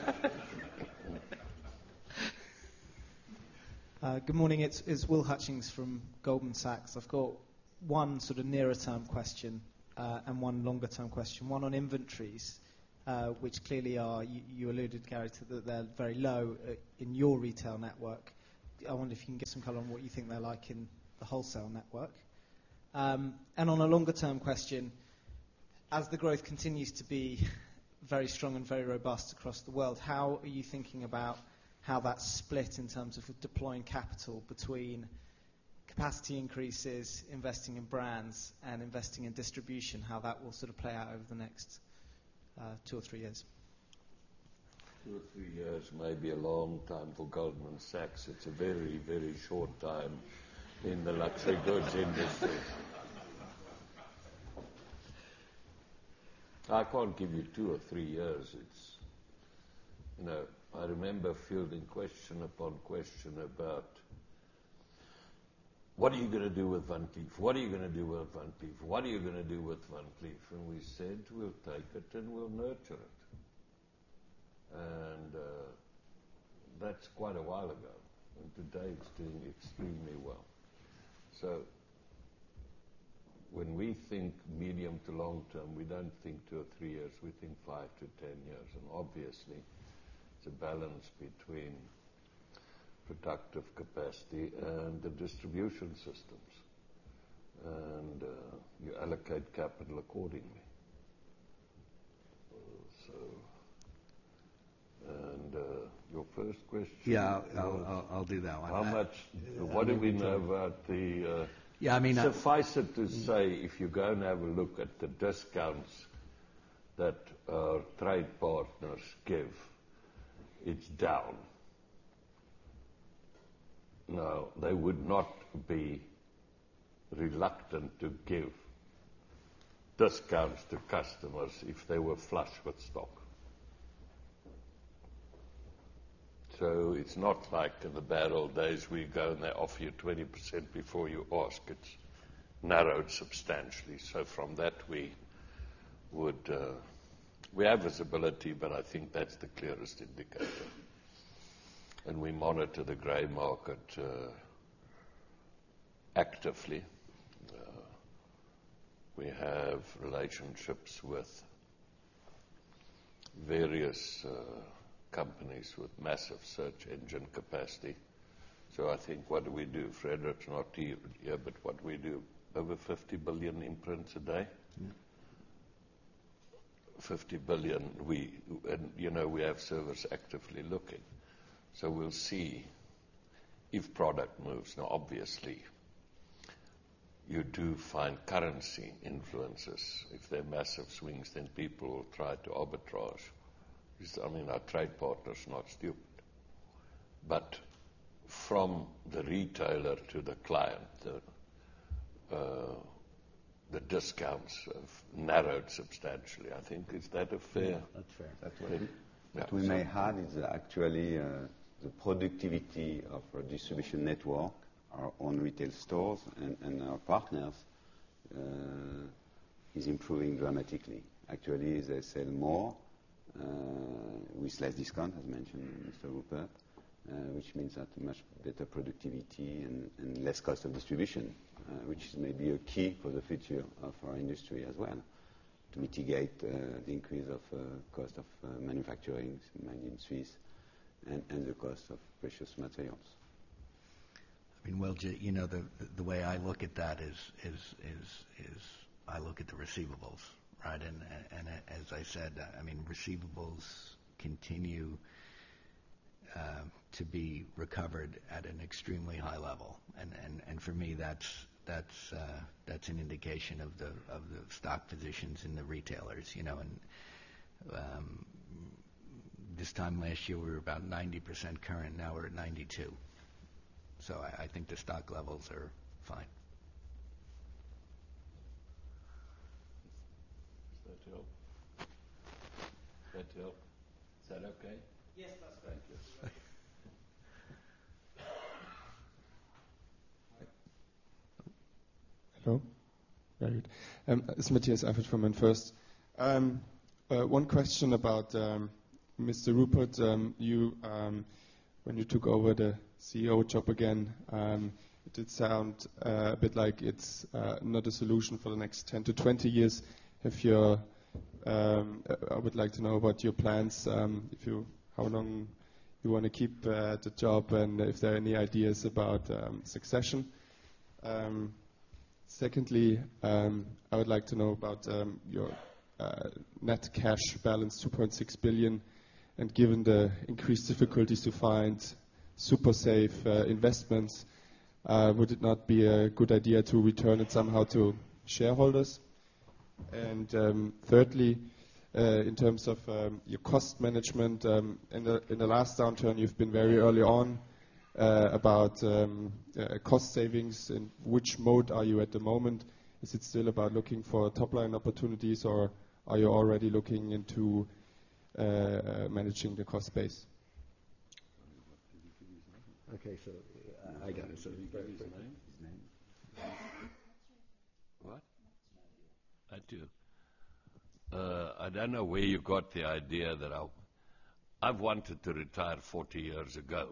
Good morning. It's Will Hutchings from Goldman Sachs. I've got one sort of nearer-term question and one longer-term question. One on inventories, which clearly are, you alluded, Gary, to that they're very low in your retail network. I wonder if you can get some color on what you think they're like in the wholesale network. On a longer-term question, as the growth continues to be very strong and very robust across the world, how are you thinking about how that split in terms of deploying capital between capacity increases, investing in brands, and investing in distribution, how that will sort of play out over the next two or three years? Two or three years may be a long time for Goldman Sachs. It's a very, very short time in the luxury goods industry. I can't give you two or three years. I remember fielding question upon question about what are you going to do with Van Cleef? What are you going to do with Van Cleef? What are you going to do with Van Cleef? We said we'll take it and we'll nurture it. That's quite a while ago. Today it's doing extremely well. When we think medium to long term, we don't think two or three years. We think five to ten years. Obviously, it's a balance between productive capacity and the distribution systems, and you allocate capital accordingly. Your first question? Yeah, I'll do that one. What do we know about the suffice it to say if you go and have a look at the discounts that our trade partners give, it's down. They would not be reluctant to give discounts to customers if they were flush with stock. It's not like in the bad old days where you go and they offer you 20% before you ask. It's narrowed substantially. From that, we have visibility, and I think that's the clearest indicator. We monitor the gray market actively. We have relationships with various companies with massive search engine capacity. What do we do, Fred, it's not to you, but what do we do? Over $50 billion imprints a day. $50 billion, and you know we have servers actively looking. We'll see if product moves. Obviously, you do find currency influences. If they're massive swings, then people will try to arbitrage. Our trade partners are not stupid. From the retailer to the client, the discounts have narrowed substantially. I think, is that a fair? That's fair. What we may have is actually the productivity of our distribution network, our own retail stores, and our partners is improving dramatically. Actually, they sell more with less discounts, as mentioned by Mr. Rupert, which means much better productivity and less cost of distribution, which is maybe a key for the future of our industry as well to mitigate the increase of the cost of manufacturing made in Swiss and the cost of precious materials. I mean, Will, you know the way I look at that is I look at the receivables, right? As I said, receivables continue to be recovered at an extremely high level. For me, that's an indication of the stock positions in the retailers. This time last year, we were about 90% current. Now we're at 92%. I think the stock levels are fine. Is that Gary? Is that okay? Yes, that's perfect. Thank you. Hello, is Matthias Avert from Infosys? One question about Mr. Rupert. When you took over the CEO job again, it did sound a bit like it's not a solution for the next 10 to 20 years. I would like to know about your plans, how long you want to keep the job, and if there are any ideas about succession. Secondly, I would like to know about your net cash balance, $2.6 billion. Given the increased difficulties to find super safe investments, would it not be a good idea to return it somehow to shareholders? Thirdly, in terms of your cost management, in the last downturn, you've been very early on about cost savings. In which mode are you at the moment? Is it still about looking for top-line opportunities, or are you already looking into managing the cost space? Okay, so I got it. You gave you his name? His name? What? I do. I don't know where you got the idea that I've wanted to retire 40 years ago.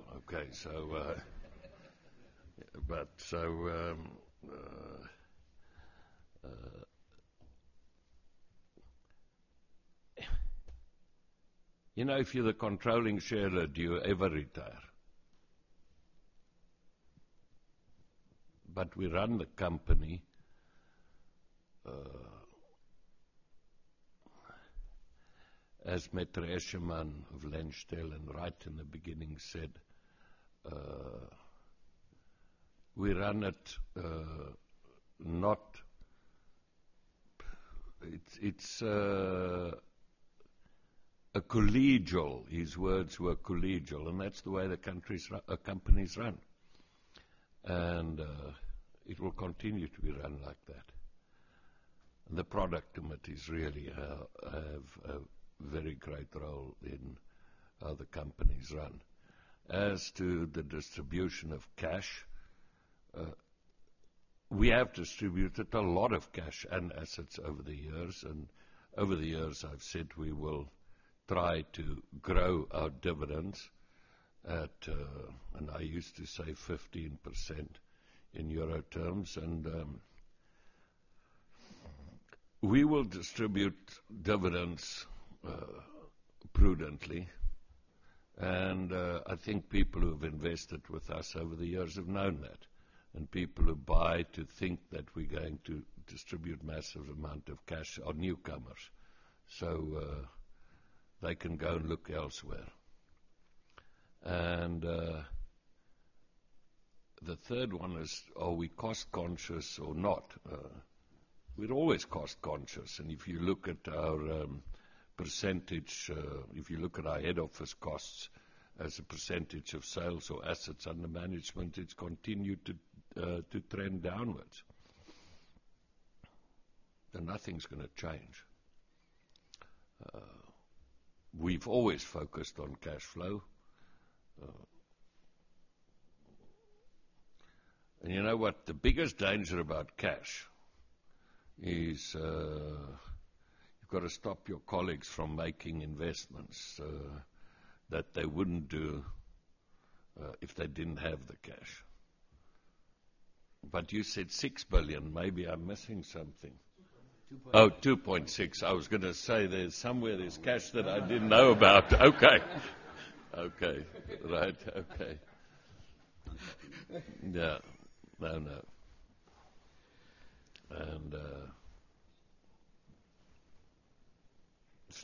If you're the controlling shareholder, do you ever retire? We run the company. As Metre Escherman of Lenzstelen, right in the beginning said, we run it not, it's a collegial. His words were collegial, and that's the way the company's run. It will continue to be run like that. The product committees really have a very great role in how the company's run. As to the distribution of cash, we have distributed a lot of cash and assets over the years. Over the years, I've said we will try to grow our dividends at, and I used to say 15% in euro terms. We will distribute dividends prudently. I think people who have invested with us over the years have known that. People who buy to think that we're going to distribute a massive amount of cash are newcomers. They can go and look elsewhere. The third one is, are we cost-conscious or not? We're always cost-conscious. If you look at our percentage, if you look at our head office costs as a percentage of sales or assets under management, it's continued to trend downwards. Nothing's going to change. We've always focused on cash flow. You know what? The biggest danger about cash is you've got to stop your colleagues from making investments that they wouldn't do if they didn't have the cash. You said 6 billion. Maybe I'm missing something. 2 billion. Oh, $2.6 million. I was going to say there's somewhere there's cash that I didn't know about. Okay. Okay. Right. Okay. One second. No, no. It's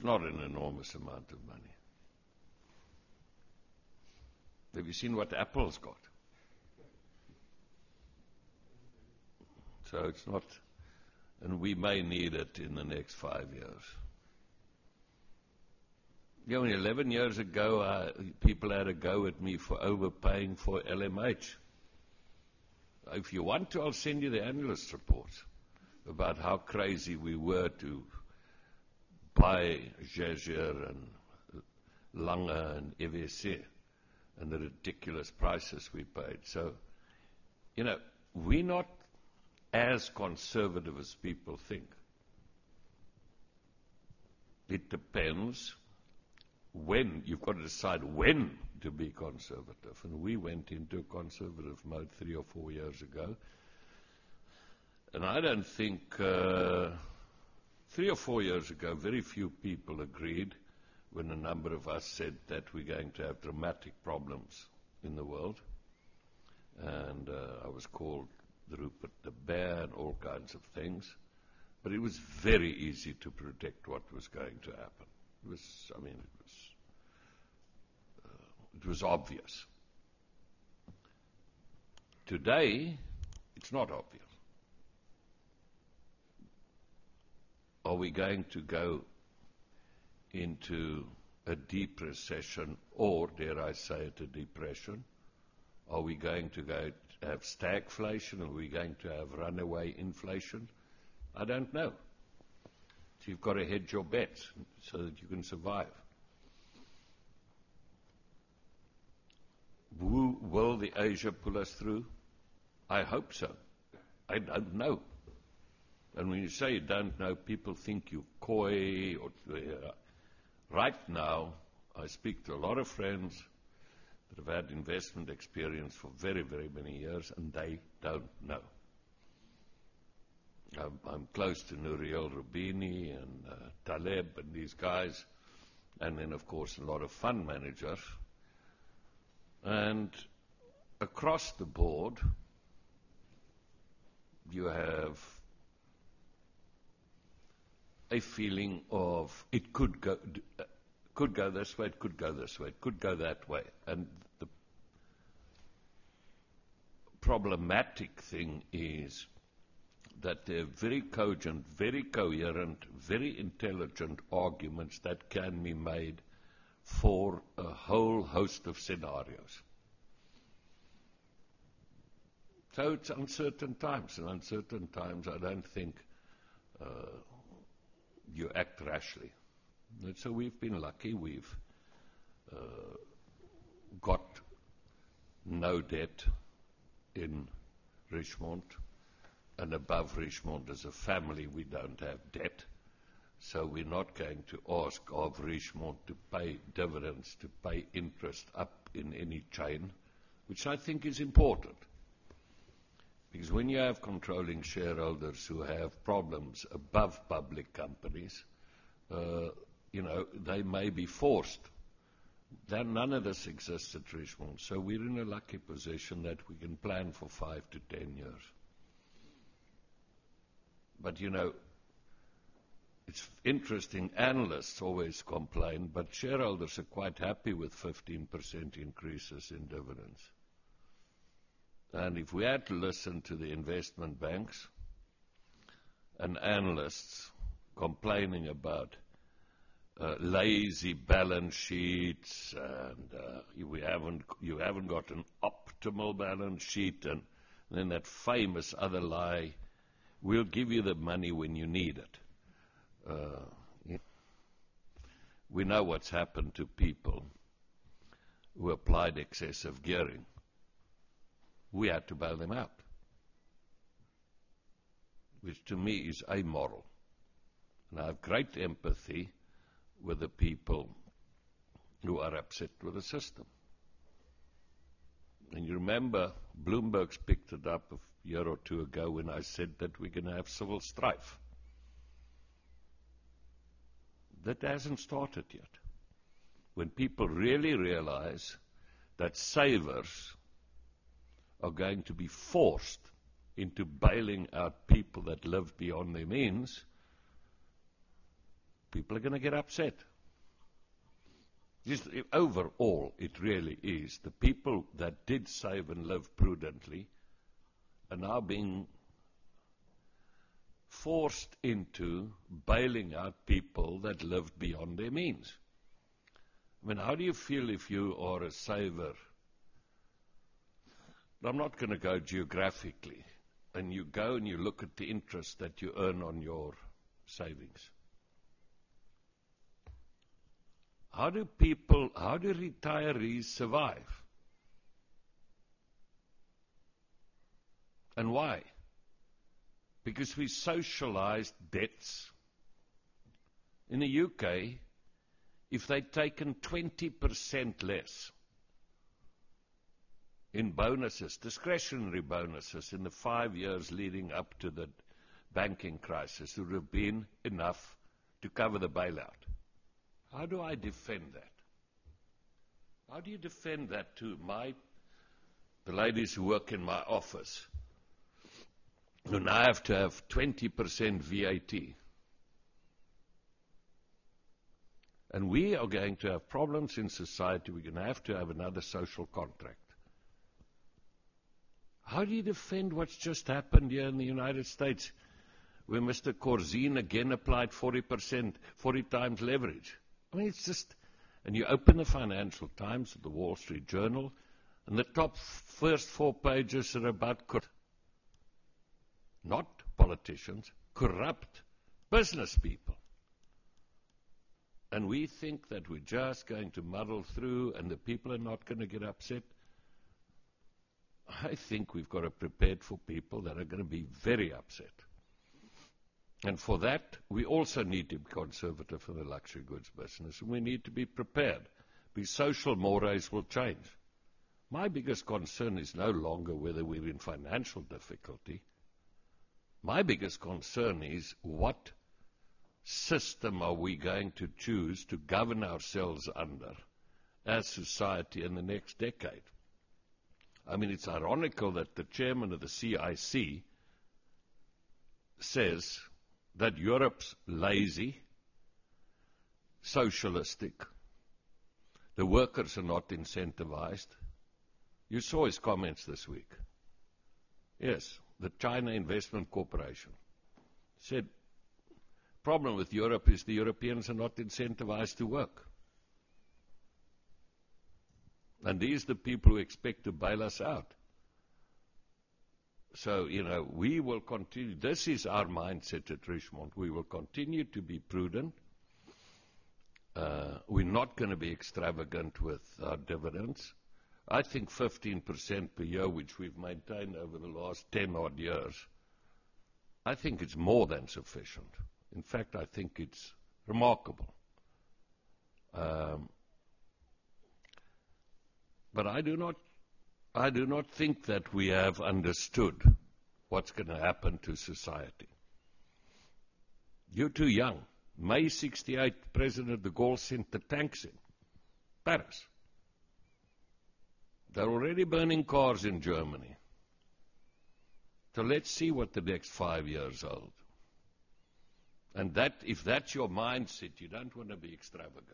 not an enormous amount of money. Have you seen what Apple's got? It's not, and we may need it in the next five years. You know, 11 years ago, people had a go at me for overpaying for LMH. If you want to, I'll send you the analyst report about how crazy we were to buy Jaeger and Lange and EVC and the ridiculous prices we paid. You know we're not as conservative as people think. It depends when you've got to decide when to be conservative. We went into a conservative mode three or four years ago. I don't think three or four years ago, very few people agreed when a number of us said that we're going to have dramatic problems in the world. I was called Rupert the Bear and all kinds of things. It was very easy to predict what was going to happen. I mean, it was obvious. Today, it's not obvious. Are we going to go into a deep recession or, dare I say it, a depression? Are we going to have stagflation? Are we going to have runaway inflation? I don't know. You've got to hedge your bets so that you can survive. Will Asia pull us through? I hope so. I don't know. When you say you don't know, people think you're coy. Right now, I speak to a lot of friends that have had investment experience for very, very many years, and they don't know. I'm close to Nouriel Roubini and Taleb and these guys, and then, of course, a lot of fund managers. Across the board, you have a feeling of it could go this way, it could go this way, it could go that way. The problematic thing is that there are very cogent, very coherent, very intelligent arguments that can be made for a whole host of scenarios. It's uncertain times. In uncertain times, I don't think you act rashly. We've been lucky. We've got no debt in Richemont. Above Richemont, as a family, we don't have debt. We're not going to ask of Richemont to pay dividends, to pay interest up in any chain, which I think is important. When you have controlling shareholders who have problems above public companies, you know they may be forced. None of this exists at Richemont. We're in a lucky position that we can plan for 5 years to 10 years. You know it's interesting. Analysts always complain, but shareholders are quite happy with 15% increases in dividends. If we had to listen to the investment banks and analysts complaining about lazy balance sheets and you haven't got an optimal balance sheet and then that famous other lie, we'll give you the money when you need it. We know what's happened to people who applied excessive gearing. We had to buy them out, which to me is immoral. I have great empathy with the people who are upset with the system. You remember Bloomberg picked it up a year or two ago when I said that we're going to have civil strife. That hasn't started yet. When people really realize that savers are going to be forced into bailing out people that live beyond their means, people are going to get upset. Overall, it really is the people that did save and live prudently are now being forced into bailing out people that live beyond their means. I mean, how do you feel if you are a saver? I'm not going to go geographically. You go and you look at the interest that you earn on your savings. How do people, how do retirees survive? Why? Because we socialize debts. In the U.K., if they'd taken 20% less in discretionary bonuses in the five years leading up to the banking crisis, it would have been enough to cover the bailout. How do I defend that? How do you defend that to the ladies who work in my office when I have to have 20% VAT? We are going to have problems in society. We're going to have to have another social contract. How do you defend what's just happened here in the U.S. where Mr. Corzine again applied 40x leverage? I mean, you open the Financial Times, the Wall Street Journal, and the top first four pages are about not politicians, corrupt business people. We think that we're just going to muddle through and the people are not going to get upset? I think we've got to prepare for people that are going to be very upset. For that, we also need to be conservative in the luxury goods business. We need to be prepared. The social mores will change. My biggest concern is no longer whether we're in financial difficulty. My biggest concern is what system are we going to choose to govern ourselves under as society in the next decade? It's ironical that the Chairman of the CIC says that Europe's lazy, socialistic, the workers are not incentivized. You saw his comments this week. Yes, the China Investment Corporation said the problem with Europe is the Europeans are not incentivized to work. These are the people who expect to bail us out. You know we will continue. This is our mindset at Richemont. We will continue to be prudent. We're not going to be extravagant with our dividends. I think 15% per year, which we've maintained over the last 10-odd years, is more than sufficient. In fact, I think it's remarkable. I do not think that we have understood what's going to happen to society. You're too young. May 1968, the president of the Golf Center tanks in Paris. They're already burning cars in Germany. Let's see what the next five years are. If that's your mindset, you don't want to be extravagant.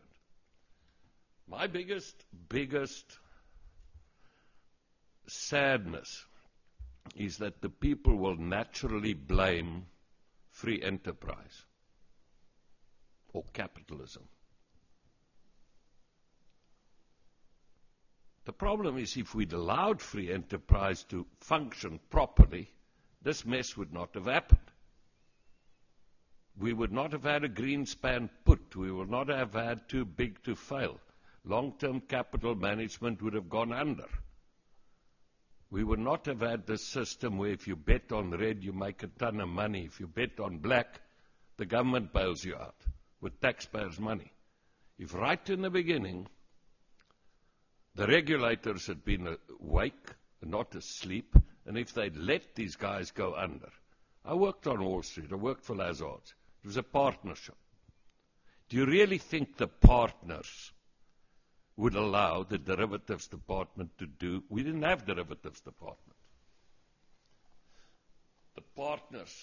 My biggest, biggest sadness is that the people will naturally blame free enterprise for capitalism. The problem is if we'd allowed free enterprise to function properly, this mess would not have happened. We would not have had a Greenspan put. We would not have had too big to fail. Long-Term Capital Management would have gone under. We would not have had the system where if you bet on red, you make a ton of money. If you bet on black, the government bails you out with taxpayers' money. If right in the beginning, the regulators had been awake, not asleep, and if they'd let these guys go under. I worked on Wall Street. I worked for Lazards. It was a partnership. Do you really think the partners would allow the derivatives department to do? We didn't have a derivatives department. The partners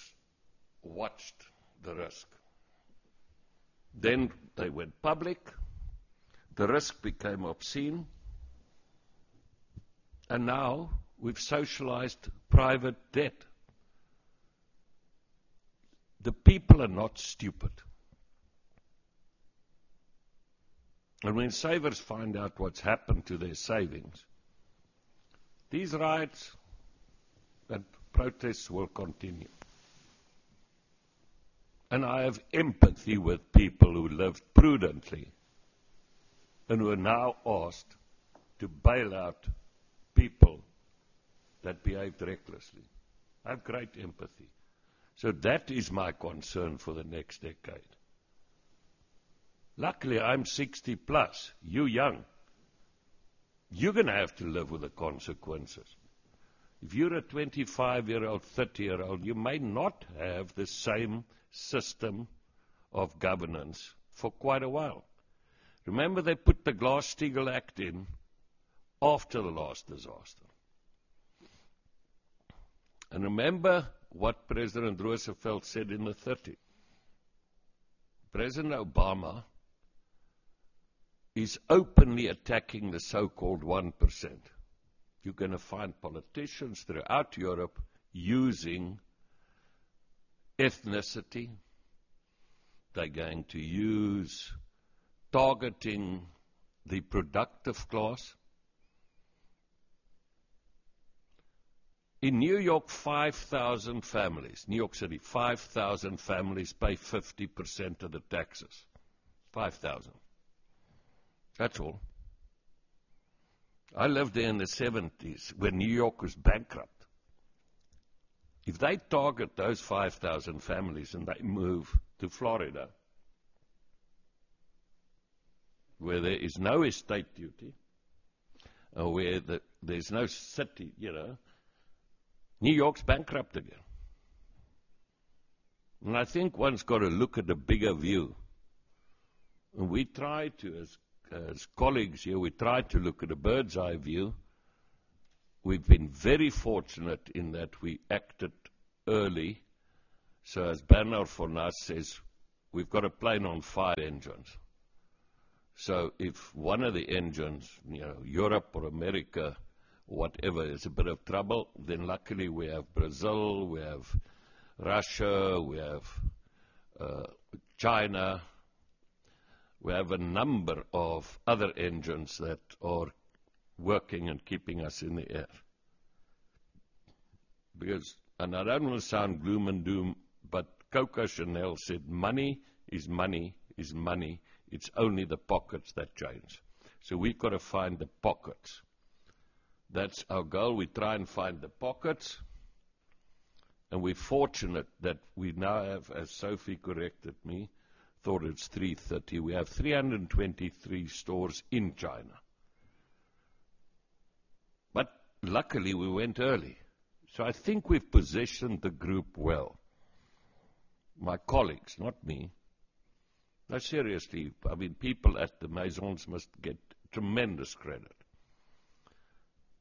watched the risk. They went public. The risk became obscene. Now we've socialized private debt. The people are not stupid. When savers find out what's happened to their savings, these riots and protests will continue. I have empathy with people who lived prudently and were now asked to bail out people that behaved recklessly. I have great empathy. That is my concern for the next decade. Luckily, I'm 60+. You're young. You're going to have to live with the consequences. If you're a 25-year-old, 30-year-old, you may not have the same system of governance for quite a while. Remember, they put the Glass-Steagall Act in after the last disaster. Remember what President Roosevelt said in the 1930s. President Obama is openly attacking the so-called 1%. You're going to find politicians throughout Europe using ethnicity. They're going to use targeting the productive class. In New York City, 5,000 families pay 50% of the taxes. 5,000. That's all. I lived there in the 1970s when New York was bankrupt. If they target those 5,000 families and they move to Florida, where there is no estate duty and where there's no city, you know, New York's bankrupt again. I think one's got to look at a bigger view. We try to, as colleagues here, we try to look at a bird's-eye view. We've been very fortunate in that we acted early. As Bernard Fornas says, we've got a plane on five engines. If one of the engines, you know, Europe or America, whatever, is a bit of trouble, then luckily we have Brazil, we have Russia, we have China. We have a number of other engines that are working and keeping us in the air. Because, and I don't want to sound gloom and doom, but Coco Chanel said, "Money is money is money. It's only the pockets that change." We've got to find the pockets. That's our goal. We try and find the pockets. We're fortunate that we now have, as Sophie corrected me, thought it's 330. We have 323 stores in China. Luckily, we went early. I think we've positioned the group well. My colleagues, not me. No, seriously. People at the Maisons must get tremendous credit.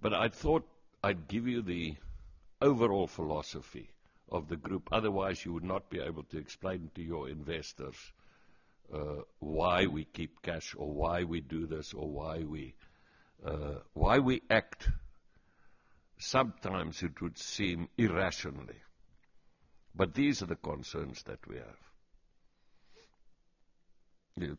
I thought I'd give you the overall philosophy of the group. Otherwise, you would not be able to explain to your investors why we keep cash or why we do this or why we act. Sometimes it would seem irrationally. These are the concerns that we have.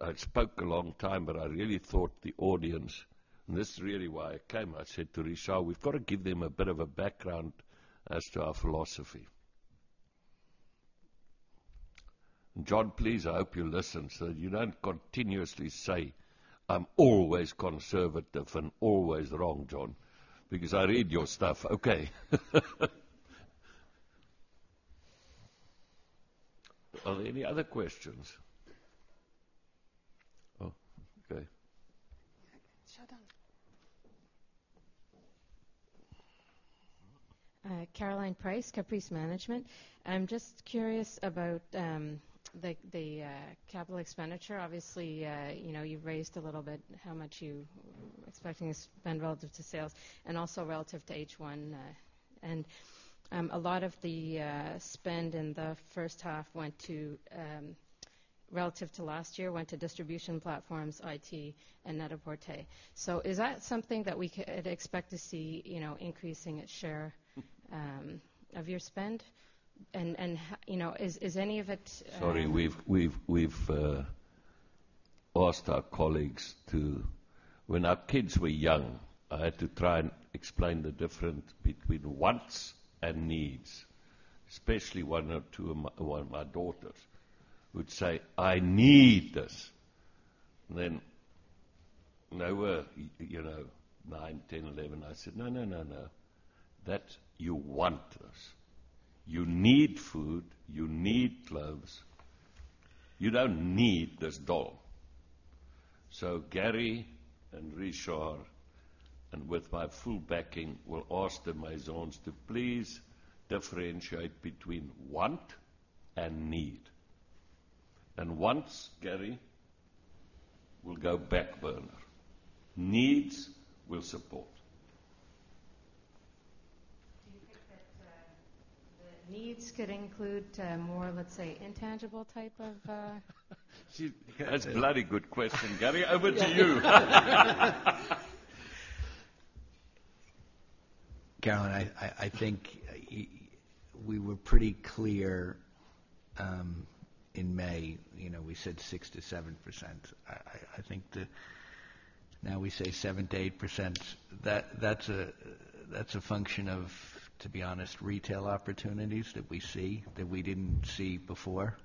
I spoke a long time, but I really thought the audience, and this is really why I came, I said to Risha, we've got to give them a bit of a background as to our philosophy. John, please, I hope you listen so that you don't continuously say, "I'm always conservative and always wrong, John," because I read your stuff. Okay. Are there any other questions? Oh, okay. I'm just curious about the capital expenditure. Obviously, you've raised a little bit how much you're expecting to spend relative to sales and also relative to H1. A lot of the spend in the first half, relative to last year, went to distribution platforms, IT, and Net-a-Porter. Is that something that we could expect to see increasing a share of your spend? Is any of it? Sorry. We've lost our colleagues. When our kids were young, I had to try and explain the difference between wants and needs, especially one or two of my daughters who would say, "I need this." They were, you know, 9, 10, 11. I said, "No, no, no, no. You want this. You need food. You need clothes. You don't need this doll." Gary and Risha, with my full backing, will ask the Maisons to please differentiate between want and need. Wants, Gary, will go back burner. Needs will support. Do you think that the needs could include more, let's say, intangible type of? That's a bloody good question, Gary. Over to you. Caroline, I think we were pretty clear in May. You know, we said 6%-7%. I think now we say 7%-8%. That's a function of, to be honest, retail opportunities that we see that we didn't see before.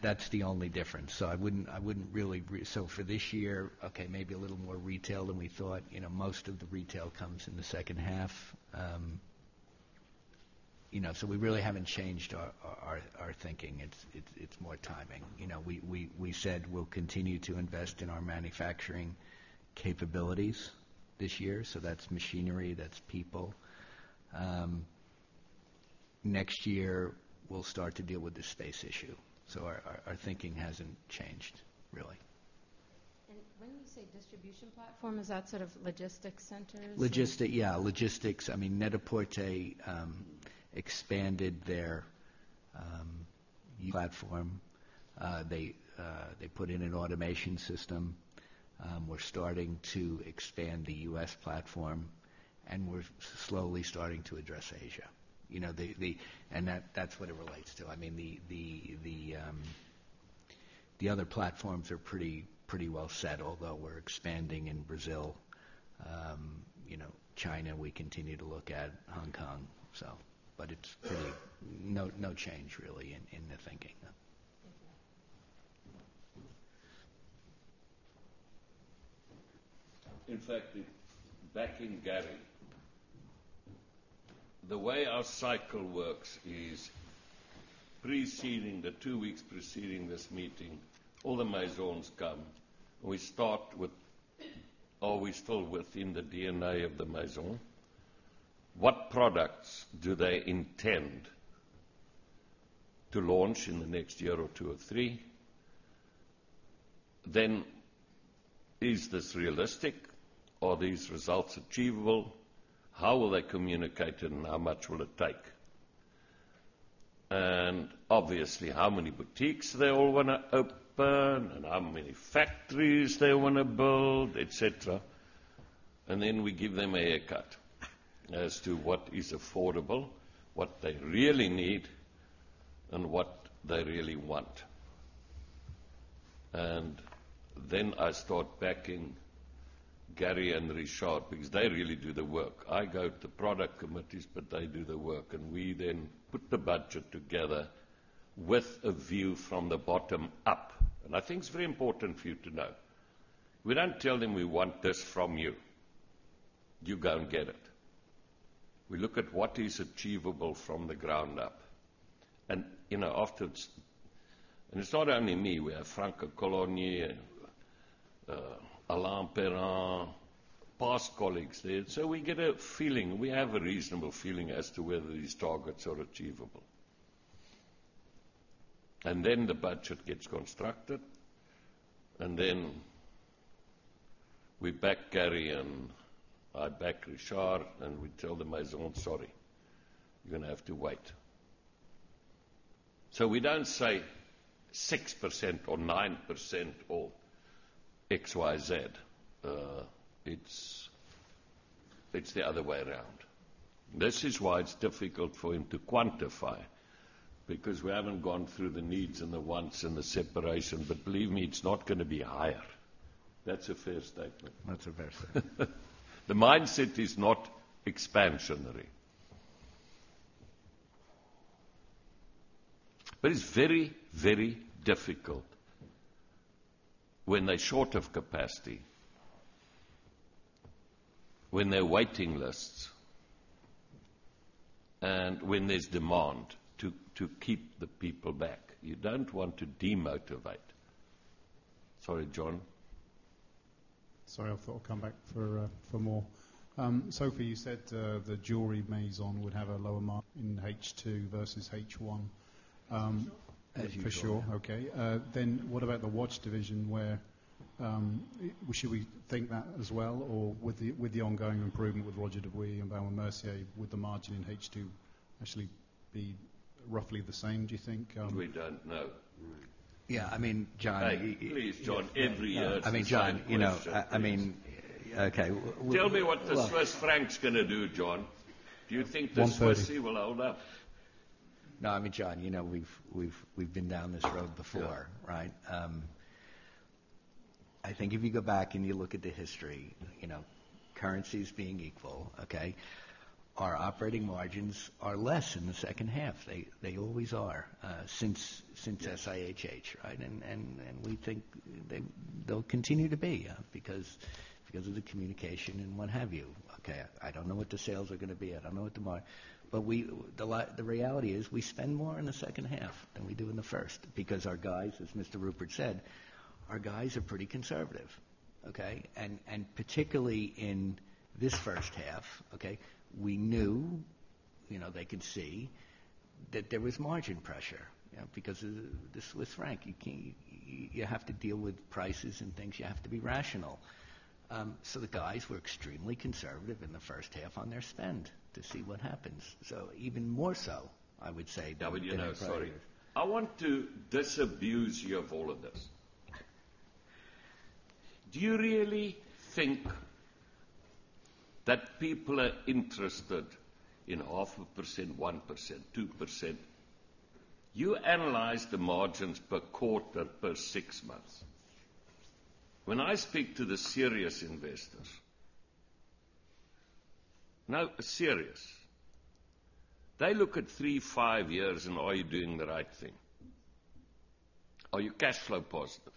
That's the only difference. I wouldn't really, for this year, okay, maybe a little more retail than we thought. Most of the retail comes in the second half, so we really haven't changed our thinking. It's more timing. We said we'll continue to invest in our manufacturing capabilities this year. That's machinery, that's people. Next year, we'll start to deal with the space issue. Our thinking hasn't changed, really. When you say distribution platform, is that sort of logistics centers? Yeah, logistics. I mean, Net-a-Porter expanded their platform. They put in an automation system. We're starting to expand the US platform, and we're slowly starting to address Asia. You know, that's what it relates to. I mean, the other platforms are pretty well set, although we're expanding in Brazil. China, we continue to look at Hong Kong. It's pretty no change, really, in the thinking. In fact, backing Gary, the way our cycle works is the two weeks preceding this meeting, all the maisons come, and we start with, or we start within the DNA of the maison, what products do they intend to launch in the next year or two or three? Then is this realistic? Are these results achievable? How will they communicate it and how much will it take? Obviously, how many boutiques they all want to open and how many factories they want to build, etc. We give them a cut as to what is affordable, what they really need, and what they really want. I start backing Gary and Richard because they really do the work. I go to the product committees, but they do the work. We then put the budget together with a view from the bottom up. I think it's very important for you to know. We don't tell them we want this from you. You go and get it. We look at what is achievable from the ground up. After, and it's not only me. We have Franco Cologni and Alain Perrin, past colleagues there. We get a feeling. We have a reasonable feeling as to whether these targets are achievable. The budget gets constructed. We back Gary and I back Richard, and we tell the maison, "Sorry. You're going to have to wait." We don't say 6% or 9% or XYZ. It's the other way around. This is why it's difficult for him to quantify because we haven't gone through the needs and the wants and the separation. Believe me, it's not going to be higher. That's a fair statement. That's a fair statement. The mindset is not expansionary. It's very, very difficult when they're short of capacity, when there are waiting lists, and when there's demand to keep the people back. You don't want to demotivate. Sorry, John. Sorry, I thought I'd come back for more. Sophie, you said the jewelry maisons would have a lower mark in H2 versus H1. As you know. For sure. Okay. What about the watch division? Where should we think that as well, or with the ongoing improvement with Roger Dubuis and Baume & Mercier, would the margin in H2 actually be roughly the same, do you think? We don't know. Yeah, I mean, Johann. Please, Johann. Every year. I mean, Johann, you know. I mean, okay. Tell me what this first Frank's going to do, John. Do you think this first C will hold up? No, I mean, John, you know, we've been down this road before, right? I think if you go back and you look at the history, you know, currencies being equal, our operating margins are less in the second half. They always are since SIHH, right? We think they'll continue to be because of the communication and what have you. I don't know what the sales are going to be. I don't know what the market, but the reality is we spend more in the second half than we do in the first because our guys, as Mr. Rupert said, our guys are pretty conservative. Particularly in this first half, we knew, you know, they could see that there was margin pressure, you know, because this was Frank. You can't, you have to deal with prices and things. You have to be rational. The guys were extremely conservative in the first half on their spend to see what happens. Even more so, I would say. I want to disabuse your volunteers. Do you really think that people are interested in 0.5%, 1%, 2%? You analyze the margins per quarter and per six months. When I speak to the serious investors, no, serious, they look at three, five years, and are you doing the right thing? Are you cash flow positive?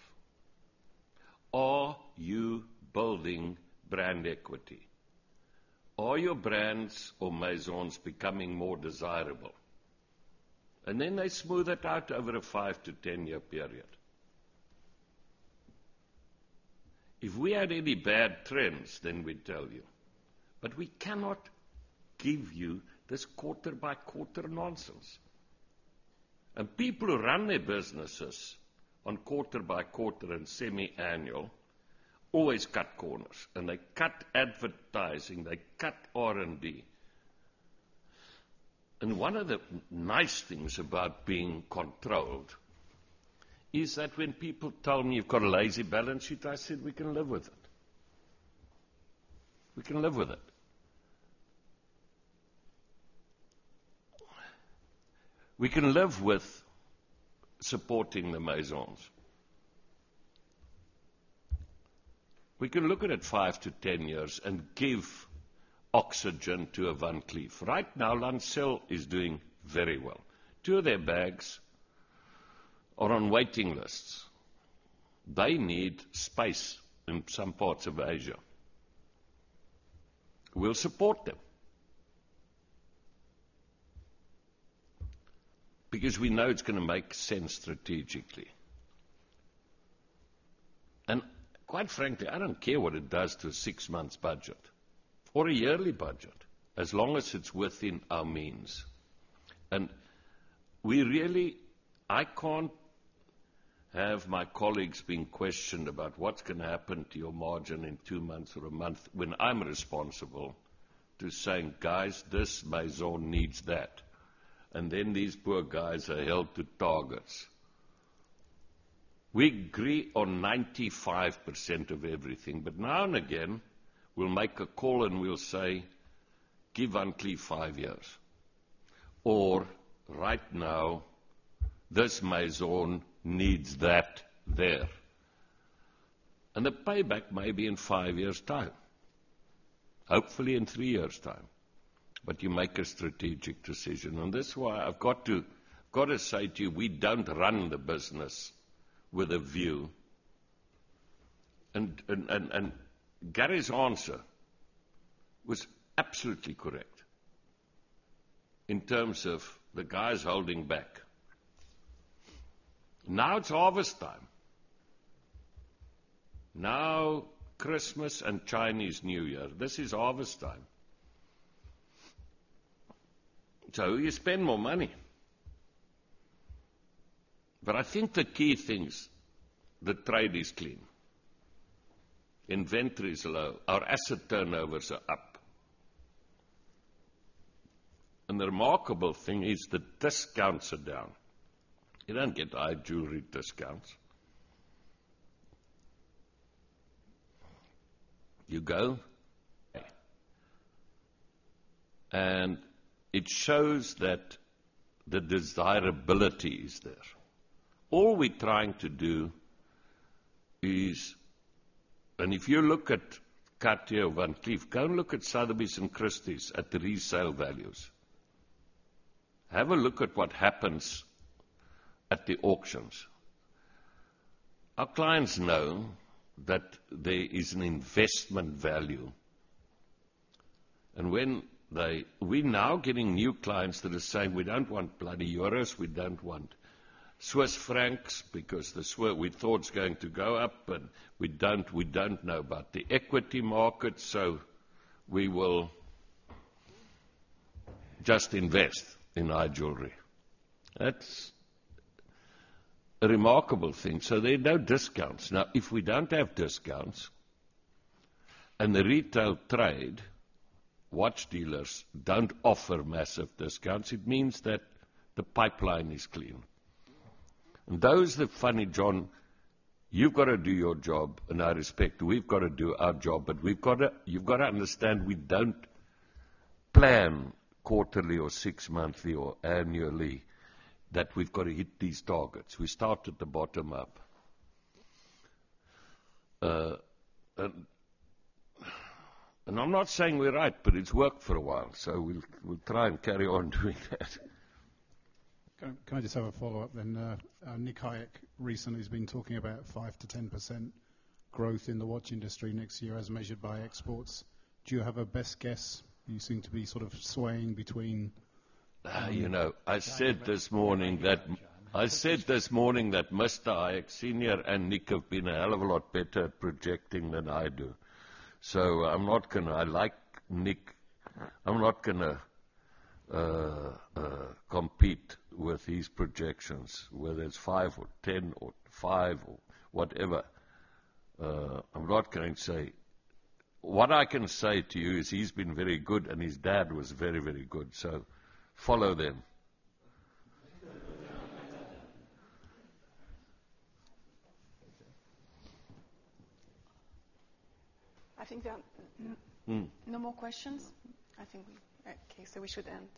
Are you building brand equity? Are your brands or maisons becoming more desirable? They smooth it out over a 5-year to 10-year period. If we had any bad trends, then we'd tell you. We cannot give you this quarter by quarter nonsense. People who run their businesses on quarter by quarter and semi-annual always cut corners. They cut advertising. They cut R&D. One of the nice things about being controlled is that when people tell me you've got a lazy balance sheet, I said, "We can live with it. We can live with it. We can live with supporting the maisons. We can look at it 5 years to 10 years and give oxygen to a Van Cleef. Right now, Lancel is doing very well. Two of their bags are on waiting lists. They need spice in some parts of Asia. We'll support them because we know it's going to make sense strategically. Quite frankly, I don't care what it does to a six-month budget or a yearly budget as long as it's within our means. I can't have my colleagues being questioned about what's going to happen to your margin in two months or a month when I'm responsible to saying, "Guys, this maison needs that." These poor guys are held to targets. We agree on 95% of everything, but now and again, we'll make a call and we'll say, "Give Van Cleef five years," or, "Right now, this maison needs that there." The payback may be in five years' time, hopefully in three years' time. You make a strategic decision. This is why I've got to say to you, we don't run the business with a view. Gary's answer was absolutely correct in terms of the guys holding back. Now it's harvest time. Christmas and Chinese New Year, this is harvest time. You spend more money. I think the key thing is the trade is clean. Inventory is low. Our asset turnovers are up. The remarkable thing is the discounts are down. You don't get high jewelry discounts. You go. It shows that the desirability is there. All we're trying to do is, and if you look at Cartier, Van Cleef, go and look at Sotheby's and Christie's at the resale values. Have a look at what happens at the auctions. Our clients know that there is an investment value. When we're now getting new clients that are saying, "We don't want bloody euros. We don't want Swiss francs because we thought it's going to go up, and we don't know about the equity market, so we will just invest in our jewelry." That's a remarkable thing. There are no discounts. If we don't have discounts and the retail trade, watch dealers don't offer massive discounts, it means that the pipeline is clean. Those that are funny, John, you've got to do your job, and I respect we've got to do our job, but you've got to understand we don't plan quarterly or six-monthly or annually that we've got to hit these targets. We start at the bottom up. I'm not saying we're right, but it's worked for a while. We'll try and carry on doing that. Can I just have a follow-up then? Nick Hayek recently has been talking about 5% to 10% growth in the watch industry next year as measured by exports. Do you have a best guess? You seem to be sort of swaying between. I said this morning that Mr. Hayek Sr. and Nick have been a hell of a lot better at projecting than I do. I'm not going to, I like Nick. I'm not going to compete with his projections whether it's 5% or 10% or 5% or whatever. I'm not going to say what I can say to you is he's been very good and his dad was very, very good. Follow them. I think there are no more questions. I think we should end.